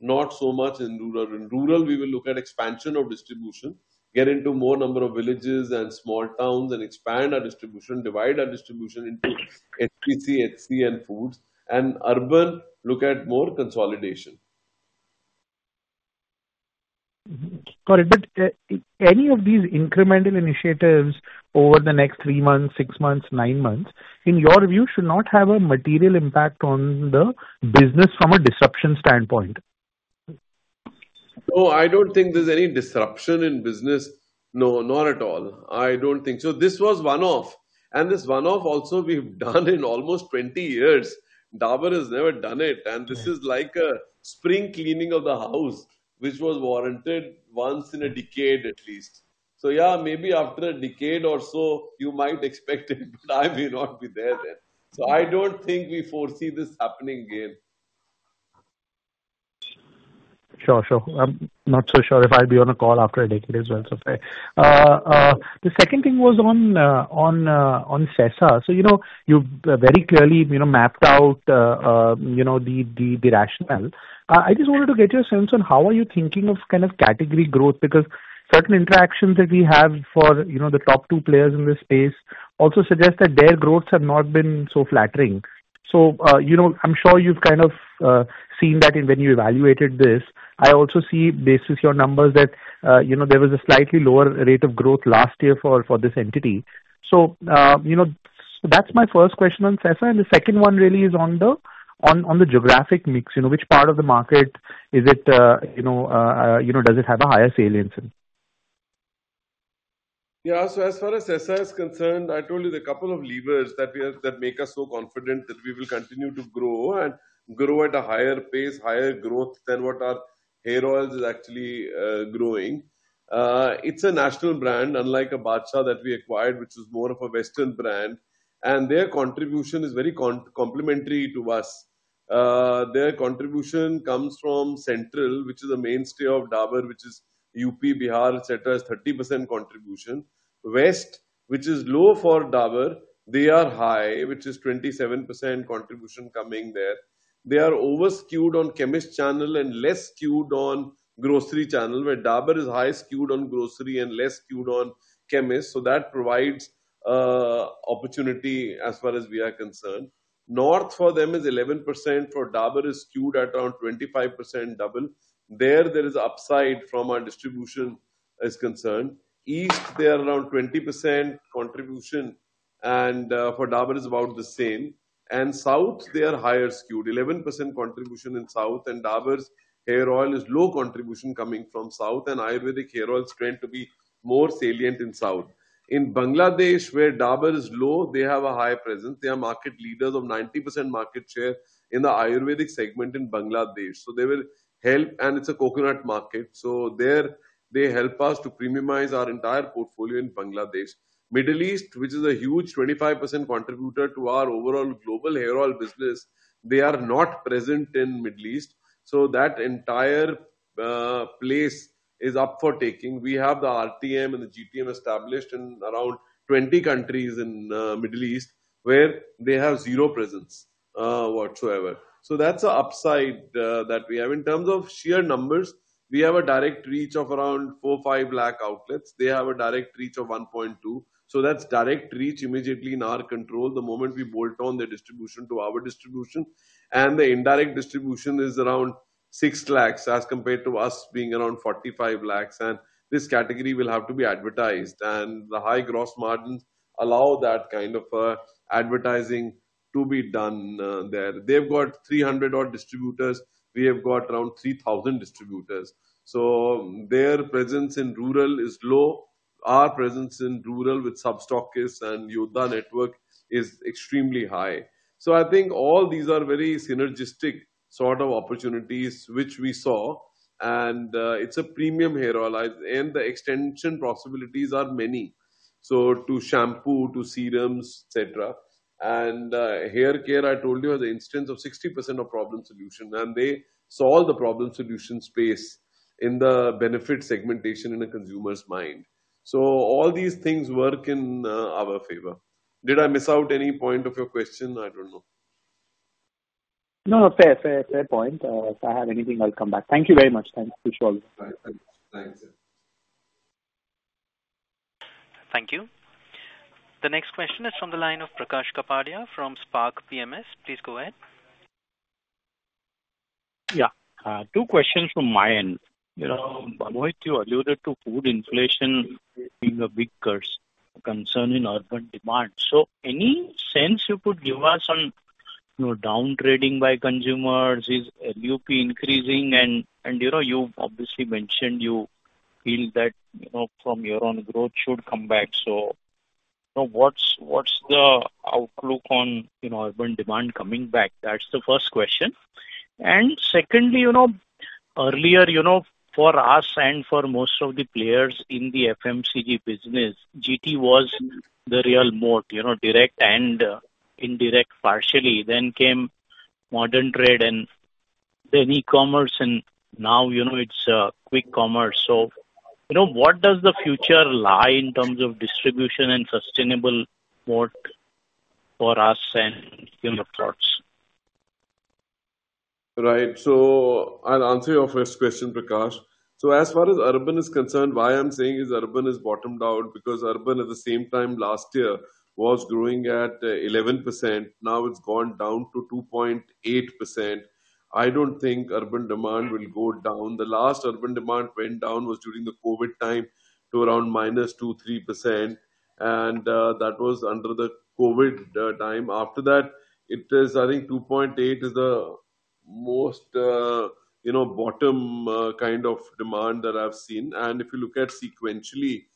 not so much in rural. In rural, we will look at expansion of distribution, get into more number of villages and small towns, and expand our distribution, divide our distribution into HPC, HC, and foods. In urban, look at more consolidation.
Got it. But any of these incremental initiatives over the next three months, six months, nine months, in your view, should not have a material impact on the business from a disruption standpoint?
No, I don't think there's any disruption in business. No, not at all. I don't think so. This was one-off, and this one-off also, we've done in almost 20 years. Dabur has never done it, and this is like a spring cleaning of the house, which was warranted once in a decade at least, so yeah, maybe after a decade or so, you might expect it, but I may not be there then, so I don't think we foresee this happening again.
Sure, sure. I'm not so sure if I'll be on a call after a decade as well, so sorry. The second thing was on Sesa. So you've very clearly mapped out the rationale. I just wanted to get your sense on how are you thinking of kind of category growth? Because certain interactions that we have for the top two players in this space also suggest that their growths have not been so flattering. So I'm sure you've kind of seen that when you evaluated this. I also see, based on your numbers, that there was a slightly lower rate of growth last year for this entity. So that's my first question on Sesa. And the second one really is on the geographic mix. Which part of the market is it? Does it have a higher salience?
Yeah. So as far as Sesa is concerned, I told you the couple of levers that make us so confident that we will continue to grow and grow at a higher pace, higher growth than what our hair oil is actually growing. It's a national brand, unlike a Badshah that we acquired, which is more of a Western brand. And their contribution is very complementary to us. Their contribution comes from Central, which is the mainstay of Dabur, which is UP, Bihar, etc., is 30% contribution. West, which is low for Dabur, they are high, which is 27% contribution coming there. They are overskewed on chemist channel and less skewed on grocery channel, where Dabur is high skewed on grocery and less skewed on chemist. So that provides opportunity as far as we are concerned. North for them is 11%. For Dabur, it is skewed at around 25% double. is upside as far as our distribution is concerned. In the East, they are around 20% contribution, and for Dabur, it is about the same, and in the South, they are higher skewed, 11% contribution in South. Dabur's hair oil is low contribution coming from South, and Ayurvedic hair oil tends to be more salient in South. In Bangladesh, where Dabur is low, they have a high presence. They are market leaders of 90% market share in the Ayurvedic segment in Bangladesh, so they will help, and it's a coconut market, so they help us to premiumize our entire portfolio in Bangladesh. The Middle East, which is a huge 25% contributor to our overall global hair oil business, they are not present in the Middle East, so that entire place is up for the taking. We have the RTM and the GTM established in around 20 countries in Middle East, where they have zero presence whatsoever. So that's an upside that we have. In terms of sheer numbers, we have a direct reach of around 4 lakh, 5 lakh outlets. They have a direct reach of 1.2. So that's direct reach immediately in our control the moment we bolt on the distribution to our distribution. And the indirect distribution is around 6 lakhs as compared to us being around 45 lakhs. And this category will have to be advertised. And the high gross margins allow that kind of advertising to be done there. They've got 300-odd distributors. We have got around 3,000 distributors. So their presence in rural is low. Our presence in rural with Sub-stockist and Yodha network is extremely high. So I think all these are very synergistic sort of opportunities, which we saw. It's a premium hair oil. The extension possibilities are many. To shampoo, to serums, etc. Hair care, I told you, has an instance of 60% of problem solution. They solve the problem solution space in the benefit segmentation in a consumer's mind. All these things work in our favor. Did I miss out any point of your question? I don't know.
No, no. Fair, fair, fair point. If I have anything, I'll come back. Thank you very much. Thanks to you all.
Thanks. Thanks, sir.
Thank you. The next question is from the line of Prakash Kapadia from Spark PWM. Please go ahead.
Yeah. Two questions from my end. Mohit, you alluded to food inflation being a big curse concerning urban demand. So any sense you could give us on downtrading by consumers? Is LUP increasing? And you've obviously mentioned you feel that from your own growth should come back. So what's the outlook on urban demand coming back? That's the first question. And secondly, earlier, for us and for most of the players in the FMCG business, GT was the real moat, direct and indirect partially. Then came modern trade and then e-commerce. And now it's quick commerce. So what does the future lie in terms of distribution and sustainable moat for us and your thoughts?
Right. So I'll answer your first question, Prakash. So as far as urban is concerned, why I'm saying urban is bottomed out? Because urban, at the same time, last year was growing at 11%. Now it's gone down to 2.8%. I don't think urban demand will go down. The last urban demand went down was during the COVID time to around -%2-3%. And that was under the COVID time. After that, it is, I think, 2.8% is the most bottom kind of demand that I've seen. And if you look at sequentially,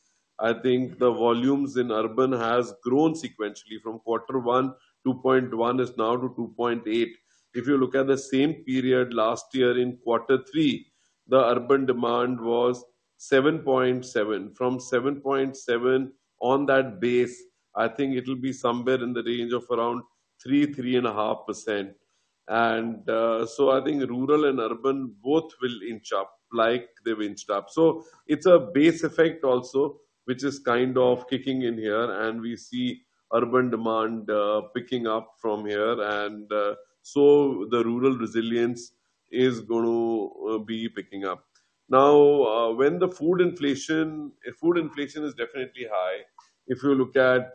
I think the volumes in urban has grown sequentially from quarter one. 2.1% is now to 2.8%. If you look at the same period last year in quarter three, the urban demand was 7.7%. From 7.7% on that base, I think it'll be somewhere in the range of around 3%, 3.5%. And so I think rural and urban both will inch up like they've inched up. So it's a base effect also, which is kind of kicking in here. And we see urban demand picking up from here. And so the rural resilience is going to be picking up. Now, food inflation is definitely high. If you look at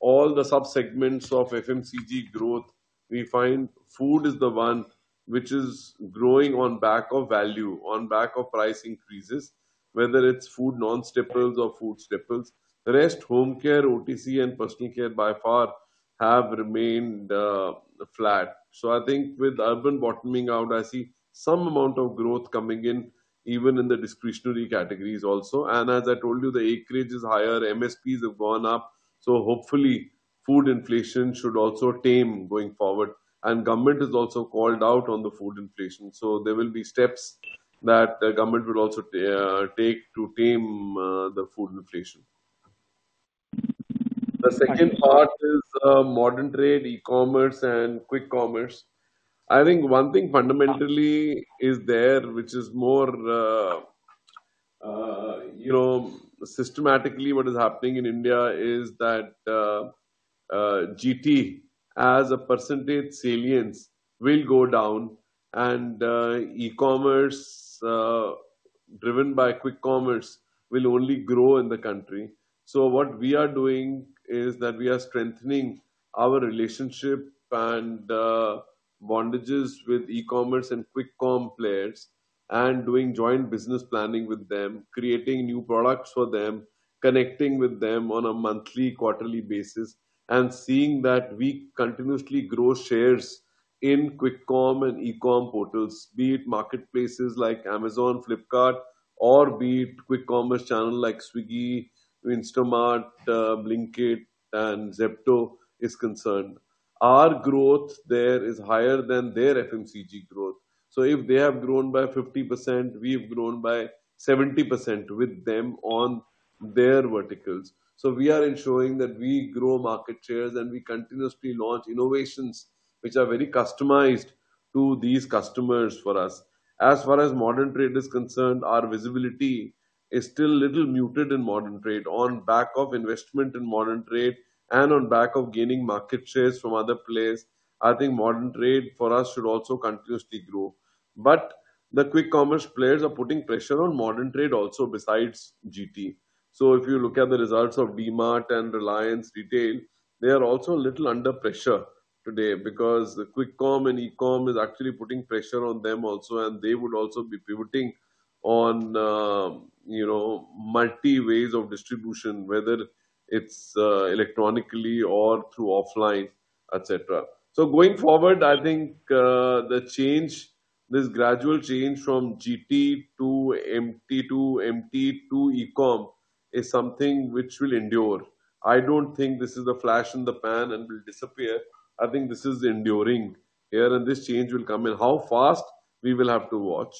all the subsegments of FMCG growth, we find food is the one which is growing on back of value, on back of price increases, whether it's food non-staples or food staples. The rest, home care, OTC, and personal care by far have remained flat. So I think with urban bottoming out, I see some amount of growth coming in, even in the discretionary categories also. And as I told you, the acreage is higher. MSPs have gone up. So hopefully, food inflation should also tame going forward. And government has also called out on the food inflation. So there will be steps that the government will also take to tame the food inflation. The second part is modern trade, e-commerce, and Quick commerce. I think one thing fundamentally is there, which is more systematically what is happening in India is that GT, as a percentage salience, will go down. And e-commerce, driven by Quick commerce, will only grow in the country. So what we are doing is that we are strengthening our relationship and bonds with e-commerce and Quick Com players and doing joint business planning with them, creating new products for them, connecting with them on a monthly, quarterly basis, and seeing that we continuously grow shares in Quick Com and e-com portals, be it marketplaces like Amazon, Flipkart, or be it Quick commerce channel like Swiggy, Instamart, Blinkit, and Zepto is concerned. Our growth there is higher than their FMCG growth. So if they have grown by 50%, we have grown by 70% with them on their verticals. So we are ensuring that we grow market shares and we continuously launch innovations which are very customized to these customers for us. As far as Modern Trade is concerned, our visibility is still a little muted in Modern Trade on back of investment in Modern Trade and on back of gaining market shares from other players. I think Modern Trade for us should also continuously grow. But the Quick Commerce players are putting pressure on Modern Trade also besides GT. So if you look at the results of DMart and Reliance Retail, they are also a little under pressure today because the Quick Com and e-comm is actually putting pressure on them also. They would also be pivoting on multi-ways of distribution, whether it's electronically or through offline, etc. So going forward, I think the change, this gradual change from GT to MT to e-comm is something which will endure. I don't think this is a flash in the pan and will disappear. I think this is enduring here, and this change will come in. How fast we will have to watch.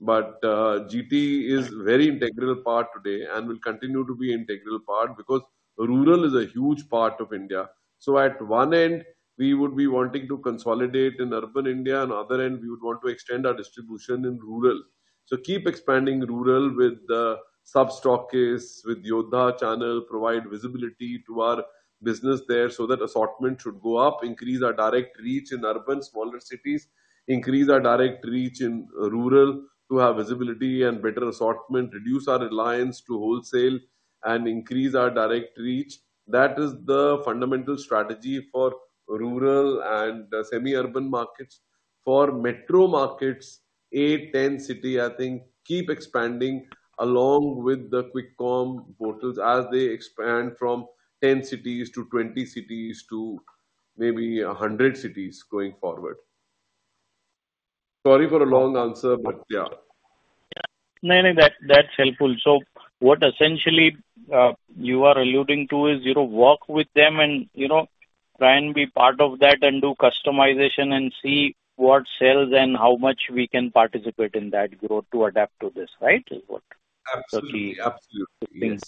But GT is a very integral part today and will continue to be an integral part because rural is a huge part of India. So at one end, we would be wanting to consolidate in urban India. On the other end, we would want to extend our distribution in rural. So, keep expanding rural with the substockist, with Yodha channel, provide visibility to our business there so that assortment should go up, increase our direct reach in urban, smaller cities, increase our direct reach in rural to have visibility and better assortment, reduce our reliance to wholesale, and increase our direct reach. That is the fundamental strategy for rural and semi-urban markets. For metro markets, eight cities, 10 cities, I think keep expanding along with the Quick Com portals as they expand from 10 cities-20 cities to maybe 100 cities going forward. Sorry for a long answer, but yeah.
Yeah. No, no, that's helpful. So what essentially you are alluding to is walk with them and try and be part of that and do customization and see what sells and how much we can participate in that growth to adapt to this, right?
Absolutely. Absolutely.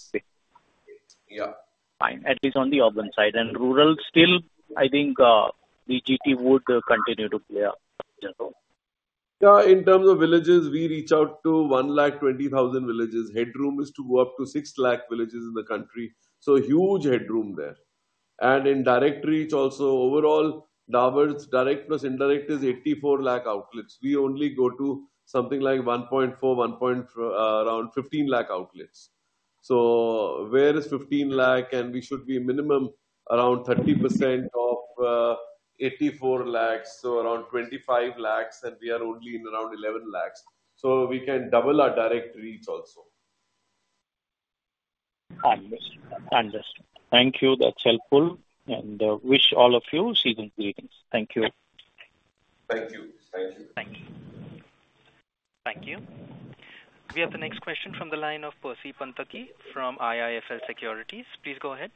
Yeah. At least on the urban side, and rural, still, I think the GT would continue to play a role.
Yeah. In terms of villages, we reach out to 120,000 villages. Headroom is to go up to 6 lakh villages in the country. So huge headroom there. And in direct reach also, overall, Dabur's direct plus indirect is 84 lakh outlets. We only go to something like 1.4 lakh, 1.5 lakh, around 15 lakh outlets. So where is 15 lakh? And we should be minimum around 30% of 84 lakhs, so around 25 lakhs, and we are only in around 11 lakhs. So we can double our direct reach also.
Understood. Thank you. That's helpful. And wish all of you season's greetings. Thank you.
Thank you. Thank you.
Thank you. We have the next question from the line of Percy Panthaki from IIFL Securities. Please go ahead.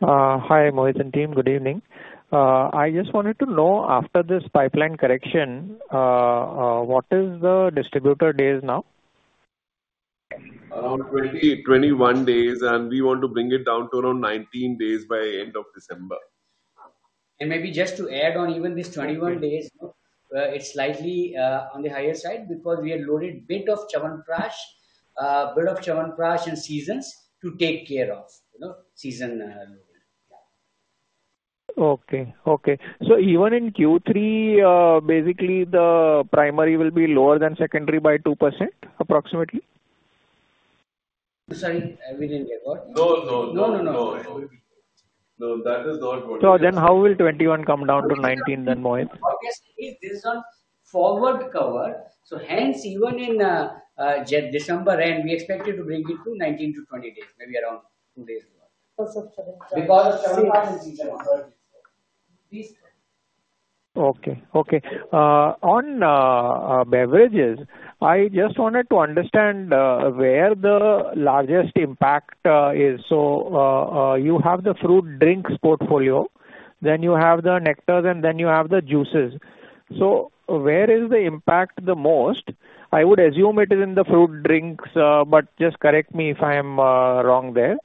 Hi, Mohit and team. Good evening. I just wanted to know, after this pipeline correction, what is the distributor days now?
Around 21 days. And we want to bring it down to around 19 days by end of December.
Maybe just to add on, even these 21 days, it's slightly on the higher side because we are loaded a bit of Chyawanprash, a bit of Chyawanprash and seasons to take care of seasonal.
Okay. Okay. So even in Q3, basically, the primary will be lower than secondary by 2%, approximately?
Sorry. We didn't get what?
No, no, no.
No, no, no.
No, that is not what you said.
So then how will 21 come down to 19 then, Mohit?
Because it is on forward cover. So hence, even in December, we expected to bring it to 19 days-20 days, maybe around 2 days more.
Okay. Okay. On beverages, I just wanted to understand where the largest impact is. So you have the fruit drinks portfolio. Then you have the nectars, and then you have the juices. So where is the impact the most? I would assume it is in the fruit drinks, but just correct me if I'm wrong there.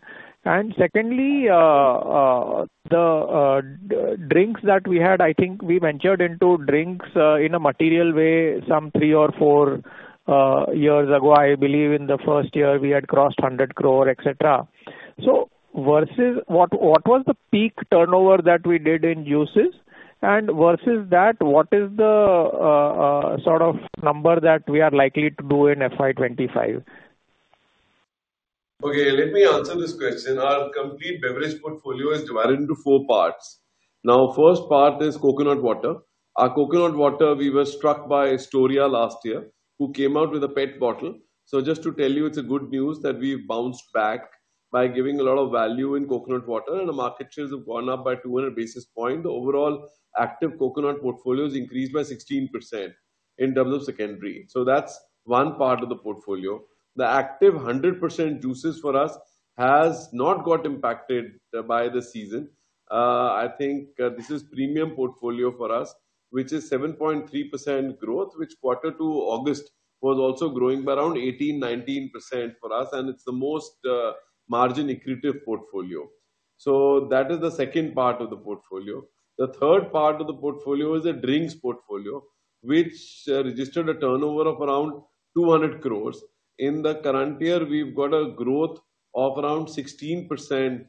And secondly, the drinks that we had, I think we ventured into drinks in a material way some three or four years ago. I believe in the first year, we had crossed 100 crore, etc. So what was the peak turnover that we did in juices? And versus that, what is the sort of number that we are likely to do in FY25?
Okay. Let me answer this question. Our complete beverage portfolio is divided into four parts. Now, the first part is coconut water. Our coconut water, we were struck by Storia last year, who came out with a pet bottle. So just to tell you, it's good news that we've bounced back by giving a lot of value in coconut water, and the market shares have gone up by 200 basis points. The overall Activ Coconut portfolio has increased by 16% in terms of secondary. So that's one part of the portfolio. The 100% juices for us has not got impacted by the season. I think this is premium portfolio for us, which is 7.3% growth, which quarter to August was also growing by around 18%-19% for us. And it's the most margin-accretive portfolio. So that is the second part of the portfolio. The third part of the portfolio is a drinks portfolio, which registered a turnover of around 200 crores. In the current year, we've got a growth of around 16%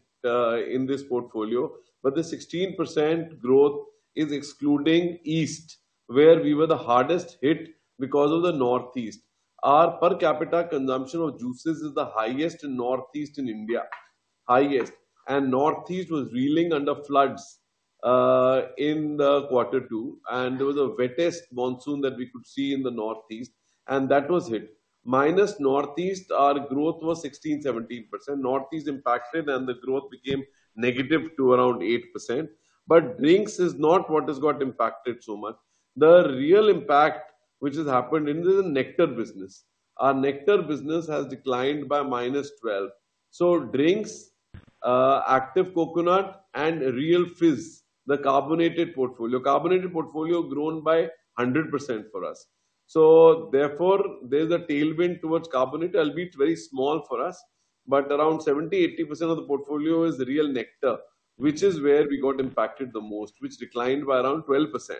in this portfolio, but the 16% growth is excluding east, where we were the hardest hit because of the northeast. Our per capita consumption of juices is the highest in northeast in India. Highest, and northeast was reeling under floods in the quarter two, and there was a wettest monsoon that we could see in the northeast, and that was hit. Minus northeast, our growth was 16%-17%. Northeast impacted, and the growth became negative to around -8%, but drinks is not what has got impacted so much. The real impact, which has happened in the nectar business, our nectar business has declined by -12%, so drinks, Activ Coconut, and Real Fizz, the carbonated portfolio. Carbonated portfolio grown by 100% for us. So therefore, there's a tailwind towards carbonated. It'll be very small for us. But around 70%-80% of the portfolio is Real nectar, which is where we got impacted the most, which declined by around 12%.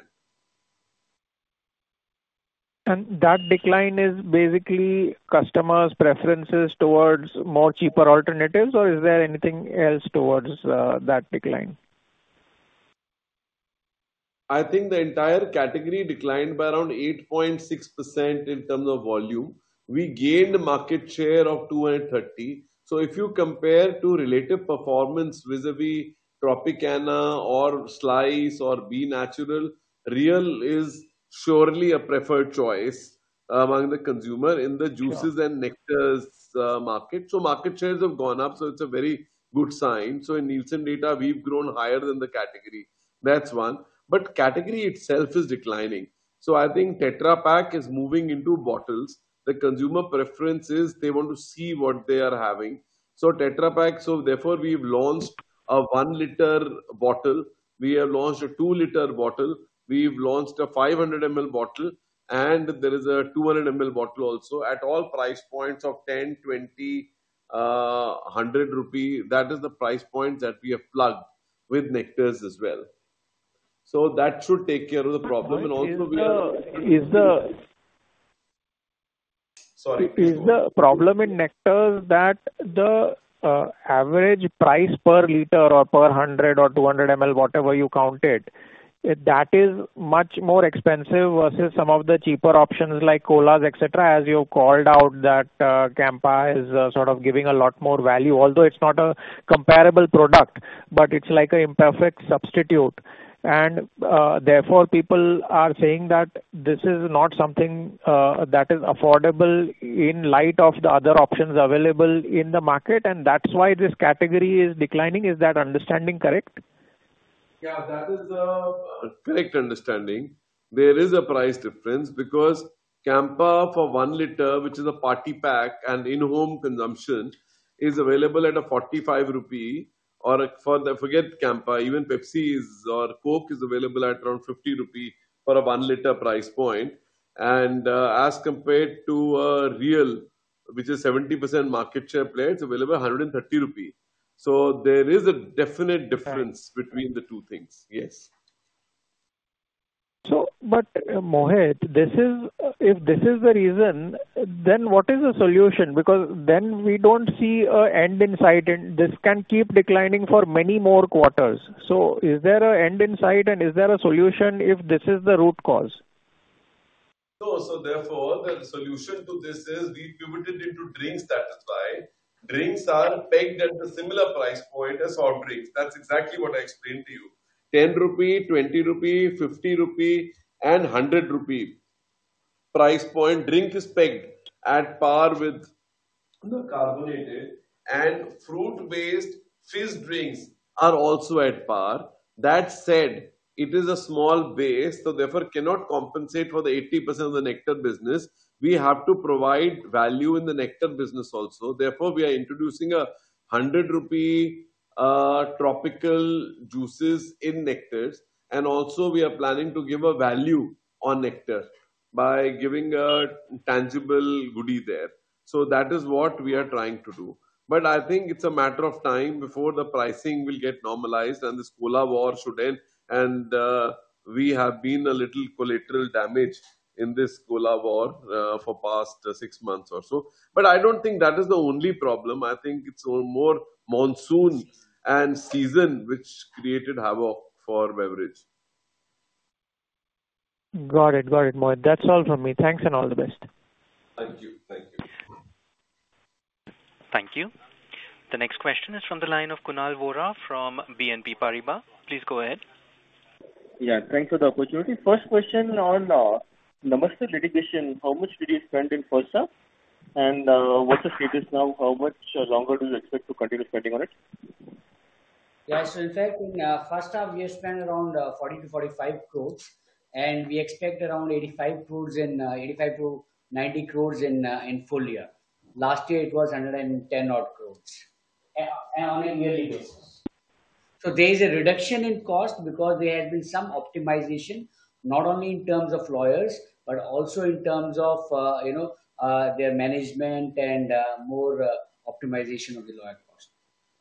That decline is basically customers' preferences towards more cheaper alternatives, or is there anything else towards that decline?
I think the entire category declined by around 8.6% in terms of volume. We gained a market share of 230. So if you compare to relative performance vis-à-vis Tropicana or Slice or B Natural, Real is surely a preferred choice among the consumer in the juices and nectars market. So market shares have gone up. So it's a very good sign. So in Nielsen data, we've grown higher than the category. That's one. But category itself is declining. So I think Tetra Pak is moving into bottles. The consumer preference is they want to see what they are having. So Tetra Pak, so therefore, we've launched a 1 L bottle. We have launched a 2 L bottle. We've launched a 500 mL bottle. And there is a 200 mL bottle also at all price points of 10, 20, 100 rupee. That is the price point that we have plugged with nectars as well. So that should take care of the problem. And also we are.
Is the.
Sorry.
Is the problem in nectars that the average price per liter or per 100 mL or 200 mL, whatever you counted, that is much more expensive versus some of the cheaper options like colas, etc. As you have called out that Campa is sort of giving a lot more value, although it's not a comparable product, but it's like an imperfect substitute. And therefore, people are saying that this is not something that is affordable in light of the other options available in the market. And that's why this category is declining. Is that understanding correct?
Yeah, that is a correct understanding. There is a price difference because Campa for 1 L, which is a party pack and in-home consumption, is available at 45 rupee. Or forget Campa, even Pepsi or Coke is available at around 50 rupee for a 1 L price point. And as compared to a Real, which is 70% market share player, it's available at 130 rupees. So there is a definite difference between the two things. Yes.
But Mohit, if this is the reason, then what is the solution? Because then we don't see an end in sight, and this can keep declining for many more quarters. So is there an end in sight, and is there a solution if this is the root cause?
No. So therefore, the solution to this is we pivoted into drinks, that is why. Drinks are pegged at a similar price point as soft drinks. That's exactly what I explained to you. 10 rupee, 20 rupee, 50 rupee, and 100 rupee price point. Drink is pegged at par with carbonated, and fruit-based fizz drinks are also at par. That said, it is a small base. So therefore, cannot compensate for the 80% of the nectar business. We have to provide value in the nectar business also. Therefore, we are introducing a 100 rupee tropical juices in nectars. And also, we are planning to give a value on nectar by giving a tangible goodie there. So that is what we are trying to do. But I think it's a matter of time before the pricing will get normalized and this cola war should end. We have been a little collateral damage in this cola war for the past six months or so. I don't think that is the only problem. I think it's more monsoon and season which created havoc for beverage.
Got it. Got it, Mohit. That's all from me. Thanks and all the best.
Thank you. Thank you.
Thank you. The next question is from the line of Kunal Vora from BNP Paribas. Please go ahead.
Yeah. Thanks for the opportunity. First question on Namaste litigation. How much did you spend in first half? And what's the status now? How much longer do you expect to continue spending on it?
Yeah. So in fact, in first half, we have spent around 40 crores- 45 crores. We expect around 85 crores-INR90 crores in full year. Last year, it was 110 odd crores on a yearly basis. So there is a reduction in cost because there has been some optimization, not only in terms of lawyers, but also in terms of their management and more optimization of the lawyer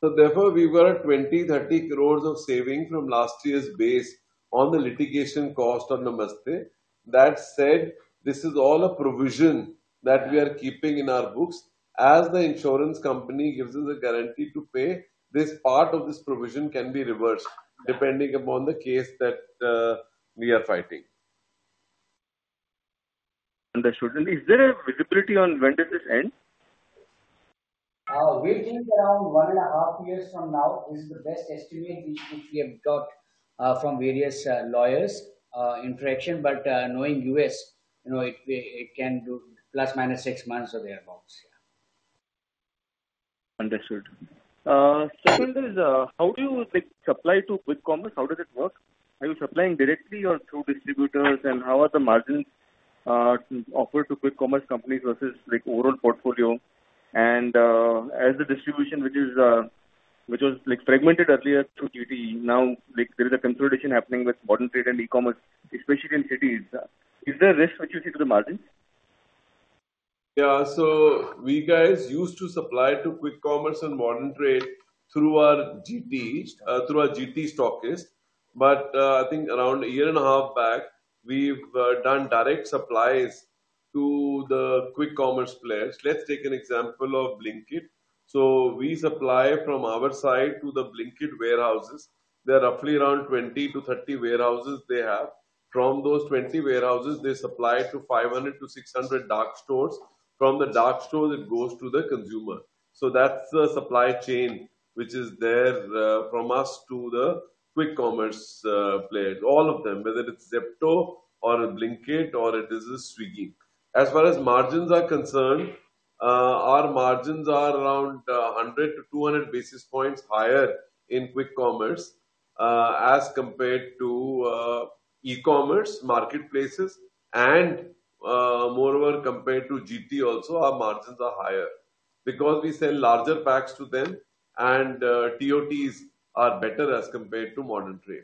cost.
So therefore, we've got 20 crores-30 crores of saving from last year's base on the litigation cost on Namaste. That said, this is all a provision that we are keeping in our books. As the insurance company gives us a guarantee to pay, this part of this provision can be reversed depending upon the case that we are fighting.
Understood. Is there a visibility on when did this end?
We think around one and a half years from now is the best estimate which we have got from various lawyers' interaction. But knowing U.S., it can do plus minus six months or thereabouts. Yeah.
Understood. Second is, how do you supply to Quick Commerce? How does it work? Are you supplying directly or through distributors? And how are the margins offered to Quick Commerce companies versus overall portfolio? And as the distribution, which was fragmented earlier through GT, now there is a consolidation happening with modern trade and e-commerce, especially in cities. Is there a risk which you see to the margins?
Yeah. So we guys used to supply to Quick Commerce and Modern Trade through our GT stockist. But I think around a year and a half back, we've done direct supplies to the Quick Commerce players. Let's take an example of Blinkit. So we supply from our side to the Blinkit warehouses. There are roughly around 20-30 warehouses they have. From those 20 warehouses, they supply to 500-600 dark stores. From the dark stores, it goes to the consumer. So that's the supply chain which is there from us to the Quick Commerce players, all of them, whether it's Zepto or Blinkit or it is Swiggy. As far as margins are concerned, our margins are around 100-200 basis points higher in Quick Commerce as compared to e-commerce marketplaces. And moreover, compared to GT also, our margins are higher because we sell larger packs to them. And TOTs are better as compared to modern trade.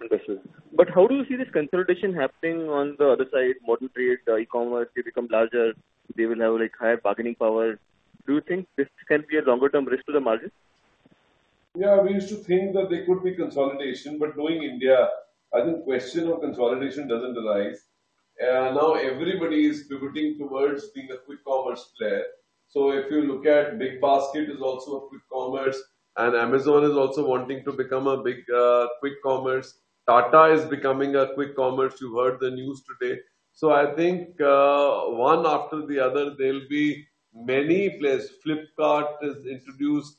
Understood. But how do you see this consolidation happening on the other side, modern trade, e-commerce? They become larger. They will have higher bargaining power. Do you think this can be a longer-term risk to the margin?
Yeah. We used to think that there could be consolidation. But knowing India, I think the question of consolidation doesn't arise. Now, everybody is pivoting towards being a Quick Commerce player. So if you look at BigBasket, it is also a Quick Commerce. And Amazon is also wanting to become a big Quick Commerce. Tata is becoming a Quick Commerce. You heard the news today. So I think one after the other, there'll be many players. Flipkart has introduced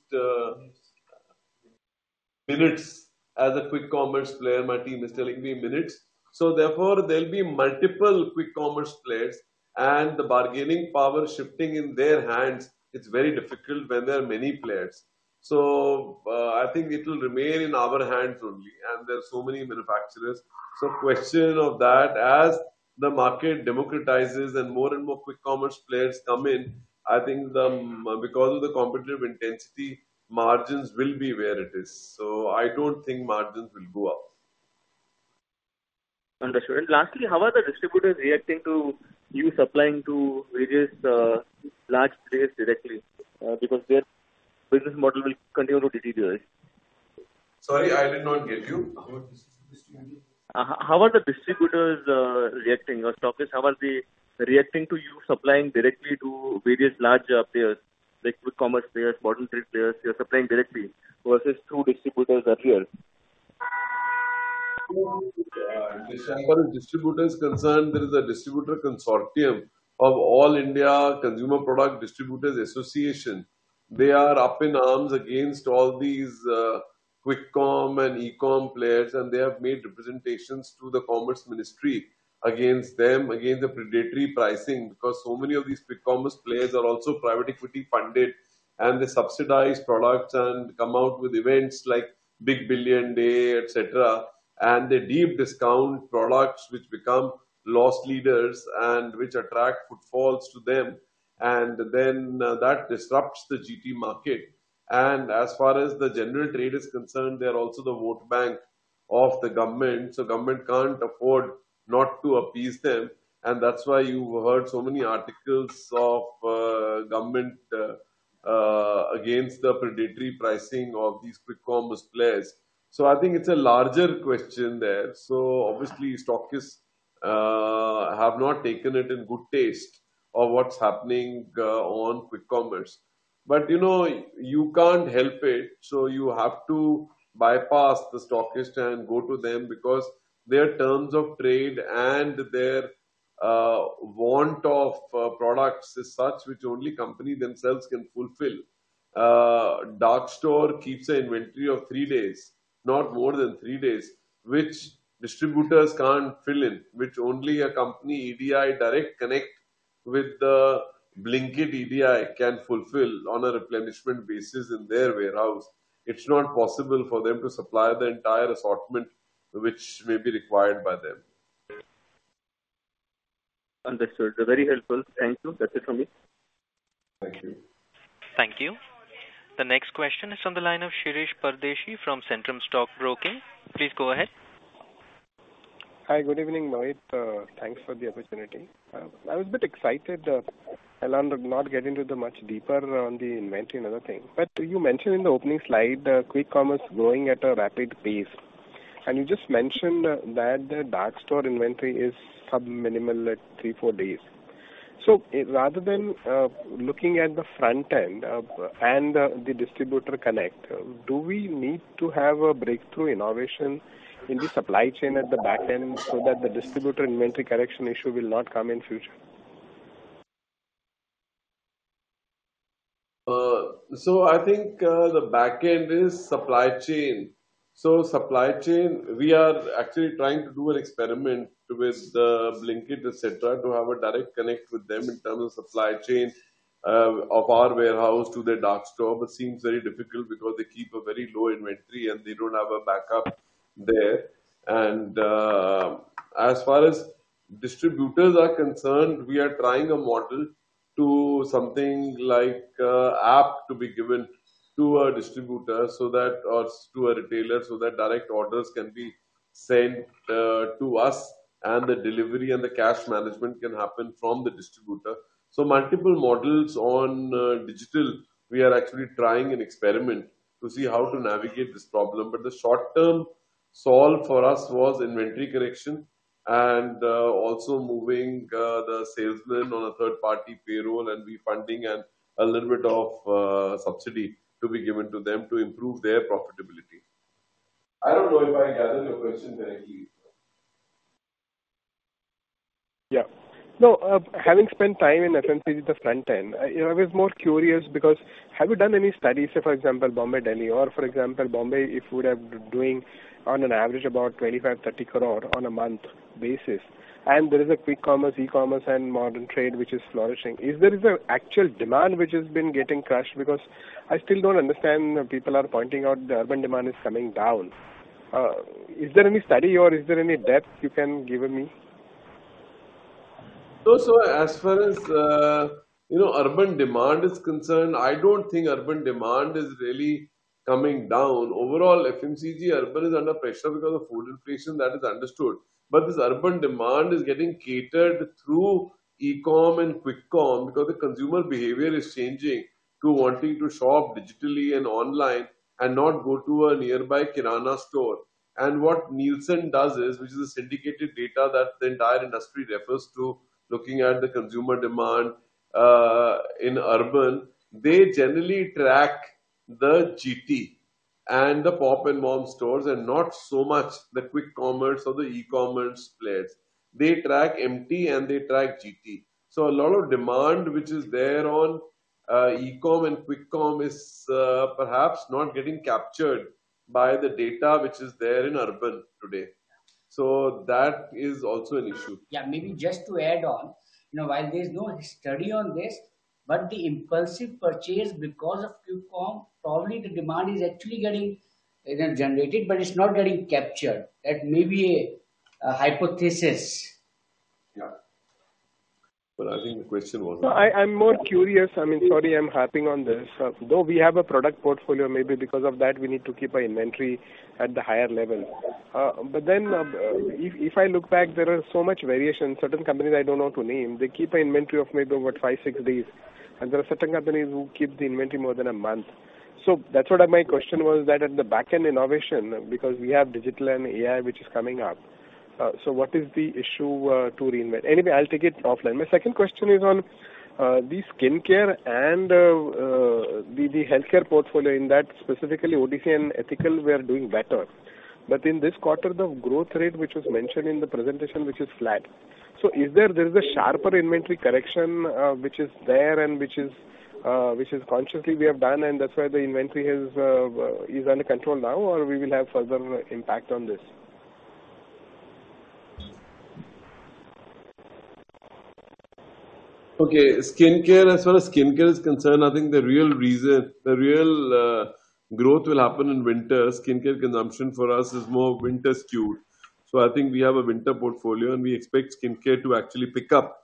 Minutes as a Quick Commerce player. My team is telling me Minutes. So therefore, there'll be multiple Quick Commerce players. And the bargaining power shifting in their hands, it's very difficult when there are many players. So I think it'll remain in our hands only. And there are so many manufacturers. So, question of that, as the market democratizes and more and more Quick Commerce players come in, I think because of the competitive intensity, margins will be where it is. So, I don't think margins will go up.
Understood. And lastly, how are the distributors reacting to you supplying to various large players directly? Because their business model will continue to deteriorate.
Sorry, I did not get you.
How are the distributors reacting? Or stockists, how are they reacting to you supplying directly to various larger players, like Quick Commerce players, Modern Trade players, you're supplying directly versus through distributors earlier?
As far as distributors are concerned, there is a distributor consortium of All India Consumer Products Distributors Federation. They are up in arms against all these Quick Com and e-com players, and they have made representations to the Commerce Ministry against them, against the predatory pricing because so many of these Quick Commerce players are also private equity funded, and they subsidize products and come out with events like Big Billion Day, etc., and they deep discount products which become loss leaders and which attract footfalls to them, and then that disrupts the GT market, and as far as the general trade is concerned, they are also the vote bank of the government, so government can't afford not to appease them, and that's why you heard so many articles of government against the predatory pricing of these Quick Commerce players, so I think it's a larger question there. So obviously, stockists have not taken it in good taste of what's happening on Quick Commerce. But you can't help it. So you have to bypass the stockist and go to them because their terms of trade and their want of products is such which only companies themselves can fulfill. Dark store keeps an inventory of three days, not more than three days, which distributors can't fill in, which only a company EDI direct connect with the Blinkit EDI can fulfill on a replenishment basis in their warehouse. It's not possible for them to supply the entire assortment which may be required by them.
Understood. Very helpful. Thank you. That's it from me.
Thank you.
Thank you. The next question is from the line of Shirish Pardeshi from Centrum Stockbroking. Please go ahead.
Hi. Good evening, Mohit. Thanks for the opportunity. I was a bit excited. I'll not get into the much deeper on the inventory and other things. But you mentioned in the opening slide, Quick Commerce is growing at a rapid pace. And you just mentioned that the dark store inventory is sub-minimal at three, four days. So rather than looking at the front end and the distributor connect, do we need to have a breakthrough innovation in the supply chain at the back end so that the distributor inventory correction issue will not come in future?
So I think the back end is supply chain. So supply chain, we are actually trying to do an experiment with Blinkit, etc., to have a direct connect with them in terms of supply chain of our warehouse to their dark store. But it seems very difficult because they keep a very low inventory and they don't have a backup there. And as far as distributors are concerned, we are trying a model to something like an app to be given to a distributor or to a retailer so that direct orders can be sent to us and the delivery and the cash management can happen from the distributor. So multiple models on digital, we are actually trying an experiment to see how to navigate this problem. But the short-term solve for us was inventory correction and also moving the salesmen on a third-party payroll and refunding and a little bit of subsidy to be given to them to improve their profitability. I don't know if I gathered your question correctly.
Yeah. So having spent time in FMCG, the front end, I was more curious because have you done any studies? Say, for example, Bombay-Delhi, or for example, Bombay, if you would have been doing on an average about 25 crore-30 crore on a month basis. And there is a Quick Commerce, e-commerce, and modern trade which is flourishing. Is there an actual demand which has been getting crushed? Because I still don't understand. People are pointing out the urban demand is coming down. Is there any study or is there any depth you can give me?
So as far as urban demand is concerned, I don't think urban demand is really coming down. Overall, FMCG urban is under pressure because of food inflation. That is understood. But this urban demand is getting catered through e-com and Quick Com because the consumer behavior is changing to wanting to shop digitally and online and not go to a nearby Kirana store. And what Nielsen does is, which is a syndicated data that the entire industry refers to, looking at the consumer demand in urban, they generally track the GT and the mom-and-pop stores and not so much the Quick Commerce or the e-commerce players. They track MT and they track GT. So a lot of demand which is there on e-com and Quick Com is perhaps not getting captured by the data which is there in urban today. So that is also an issue.
Yeah. Maybe just to add on, while there's no study on this, but the impulsive purchase because of Quick Com, probably the demand is actually getting generated, but it's not getting captured. That may be a hypothesis.
Yeah. But I think the question was.
So I'm more curious. I mean, sorry, I'm harping on this. Though we have a product portfolio, maybe because of that, we need to keep our inventory at the higher level. But then if I look back, there is so much variation. Certain companies I don't want to name. They keep an inventory of maybe over five, six days. And there are certain companies who keep the inventory more than a month. So that's what my question was, that at the back end innovation, because we have digital and AI which is coming up. So what is the issue to reinvent? Anyway, I'll take it offline. My second question is on the skincare and the healthcare portfolio in that specifically OTC and ethical, we are doing better. But in this quarter, the growth rate which was mentioned in the presentation, which is flat. So is there a sharper inventory correction which is there and which is consciously we have done? And that's why the inventory is under control now, or we will have further impact on this?
Okay. Skincare, as far as skincare is concerned, I think the real reason the real growth will happen in winter, skincare consumption for us is more winter skewed. So I think we have a winter portfolio, and we expect skincare to actually pick up.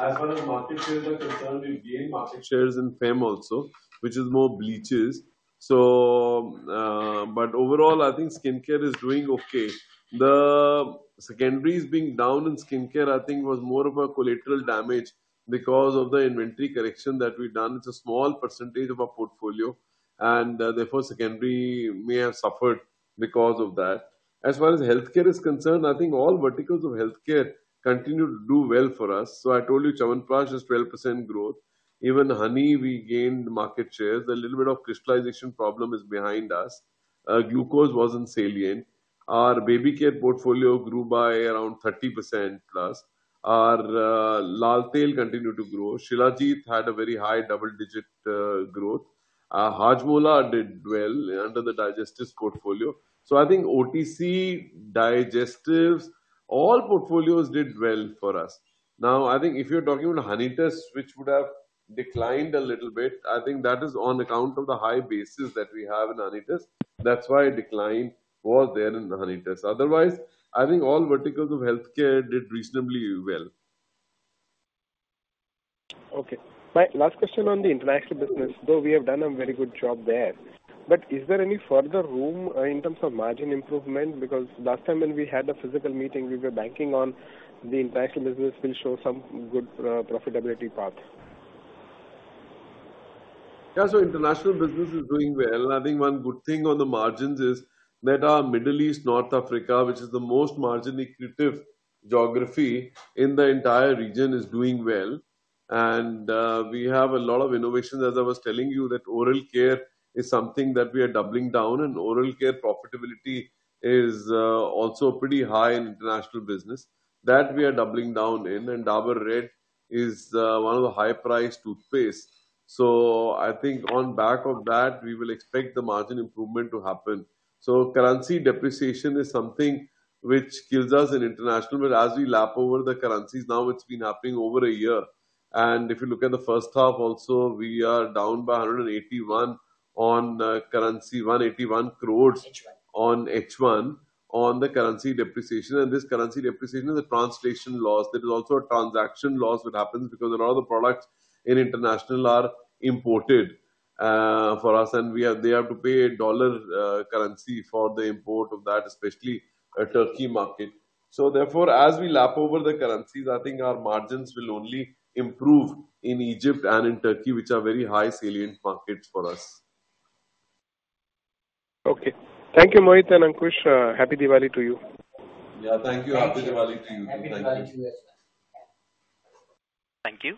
As far as market shares are concerned, we gain market shares in Fem also, which is more bleaches. But overall, I think skincare is doing okay. The secondary being down in skincare, I think, was more of a collateral damage because of the inventory correction that we've done. It's a small percentage of our portfolio. And therefore, secondary may have suffered because of that. As far as healthcare is concerned, I think all verticals of healthcare continue to do well for us. So I told you Chyawanprash is 12% growth. Even honey, we gained market shares. A little bit of crystallization problem is behind us. Glucose wasn't salient. Our baby care portfolio grew by around 30% plus. Our Lal Tail continued to grow. Shilajit had a very high double-digit growth. Hajmola did well under the digestive portfolio. So I think OTC, digestives, all portfolios did well for us. Now, I think if you're talking about Honitus, which would have declined a little bit, I think that is on account of the high basis that we have in Honitus. That's why a decline was there in Honitus. Otherwise, I think all verticals of healthcare did reasonably well.
Okay. My last question on the international business, though we have done a very good job there. But is there any further room in terms of margin improvement? Because last time when we had a physical meeting, we were banking on the international business will show some good profitability path.
Yeah. International business is doing well. I think one good thing on the margins is that our Middle East, North Africa, which is the most margin-accretive geography in the entire region, is doing well. We have a lot of innovations, as I was telling you, that oral care is something that we are doubling down. Oral care profitability is also pretty high in international business that we are doubling down in. Dabur Red is one of the high-priced toothpastes. On the back of that, we will expect the margin improvement to happen. Currency depreciation is something which kills us in international. As we lap over the currencies, now it's been happening over a year. If you look at the first half, also, we are down by 181 crores on currency, 181 crores on H1 on the currency depreciation. This currency depreciation is a translation loss. There is also a transaction loss that happens because a lot of the products in international are imported for us. They have to pay a dollar currency for the import of that, especially the Turkey market. Therefore, as we lap over the currencies, I think our margins will only improve in Egypt and in Turkey, which are very high salient markets for us.
Okay. Thank you, Mohit and Ankush. Happy Diwali to you.
Yeah. Thank you. Happy Diwali to you.
Thank you. Thank you.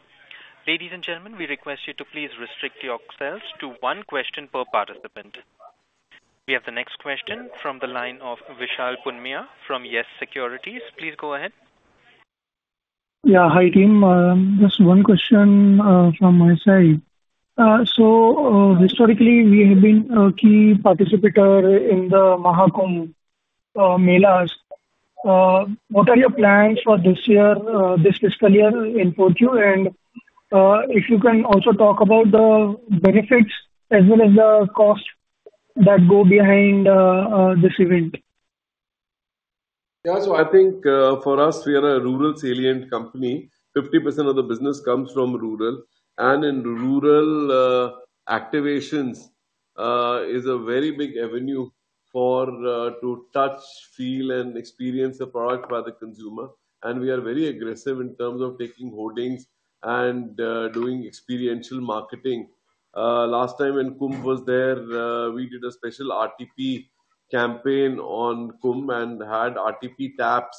Ladies and gentlemen, we request you to please restrict yourselves to one question per participant. We have the next question from the line of Vishal Punmia from Yes Securities. Please go ahead.
Yeah. Hi, team. Just one question from my side. So historically, we have been a key participant in the Mahakumbh melas. What are your plans for this year, this fiscal year in Pandharpur? And if you can also talk about the benefits as well as the costs that go behind this event.
Yeah. So I think for us, we are a rural-centric company. 50% of the business comes from rural. And in rural activations is a very big avenue to touch, feel, and experience a product by the consumer. And we are very aggressive in terms of taking hoardings and doing experiential marketing. Last time when Kumbh was there, we did a special RTP campaign on Kumbh and had RTP taps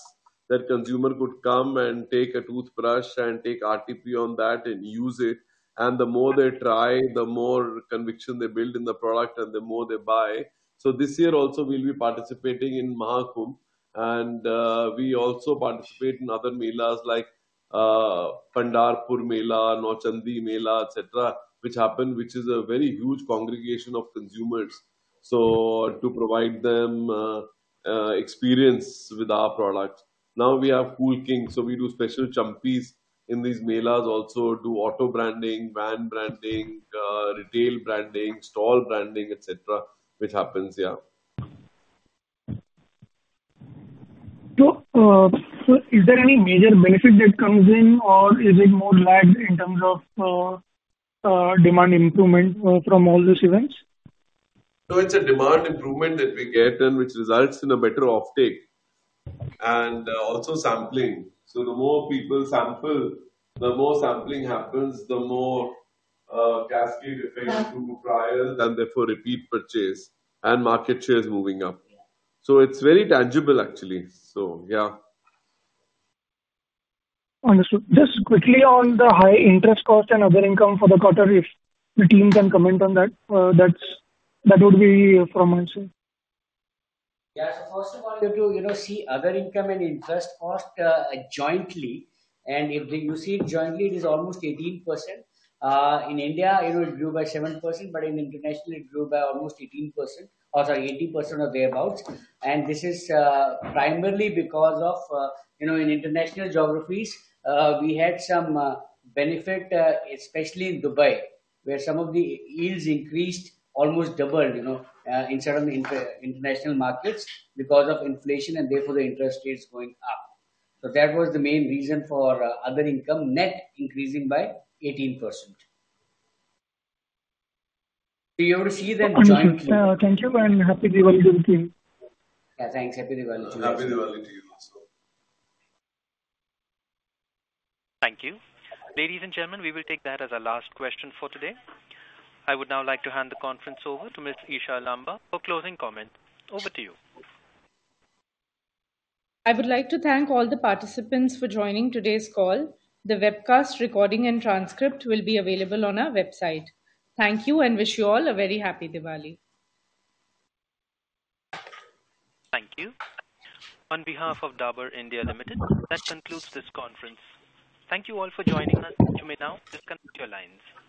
that consumer could come and take a toothbrush and take RTP on that and use it. And the more they try, the more conviction they build in the product and the more they buy. So this year also, we'll be participating in Mahakumbh. And we also participate in other melas like Pandharpur Mela, Nauchandi Mela, etc., which happen, which is a very huge congregation of consumers. So to provide them experience with our product. Now we have Cool King. So we do special champis in these melas also, do auto branding, van branding, retail branding, stall branding, etc., which happens. Yeah.
So is there any major benefit that comes in, or is it more lagged in terms of demand improvement from all these events?
So it's a demand improvement that we get and which results in a better offtake and also sampling. So the more people sample, the more sampling happens, the more cascade effect to trial and therefore repeat purchase and market shares moving up. So it's very tangible, actually. So yeah.
Understood. Just quickly on the high interest cost and other income for the quarter, if the team can comment on that, that would be from my side.
Yeah. So first of all, you have to see other income and interest cost jointly. And if you see it jointly, it is almost 18%. In India, it grew by 7%, but in international, it grew by almost 18% or sorry, 80% or thereabouts. And this is primarily because of in international geographies, we had some benefit, especially in Dubai, where some of the yields increased almost doubled in certain international markets because of inflation and therefore the interest rates going up. So that was the main reason for other income net increasing by 18%. So you have to see them jointly.
Thank you. And happy Diwali to you, team.
Yeah. Thanks. Happy Diwali to you.
Happy Diwali to you also.
Thank you. Ladies and gentlemen, we will take that as our last question for today. I would now like to hand the conference over to Ms. Isha Lamba for closing comments. Over to you.
I would like to thank all the participants for joining today's call. The webcast recording and transcript will be available on our website. Thank you and wish you all a very happy Diwali.
Thank you. On behalf of Dabur India Limited, that concludes this conference. Thank you all for joining us. You may now disconnect your lines.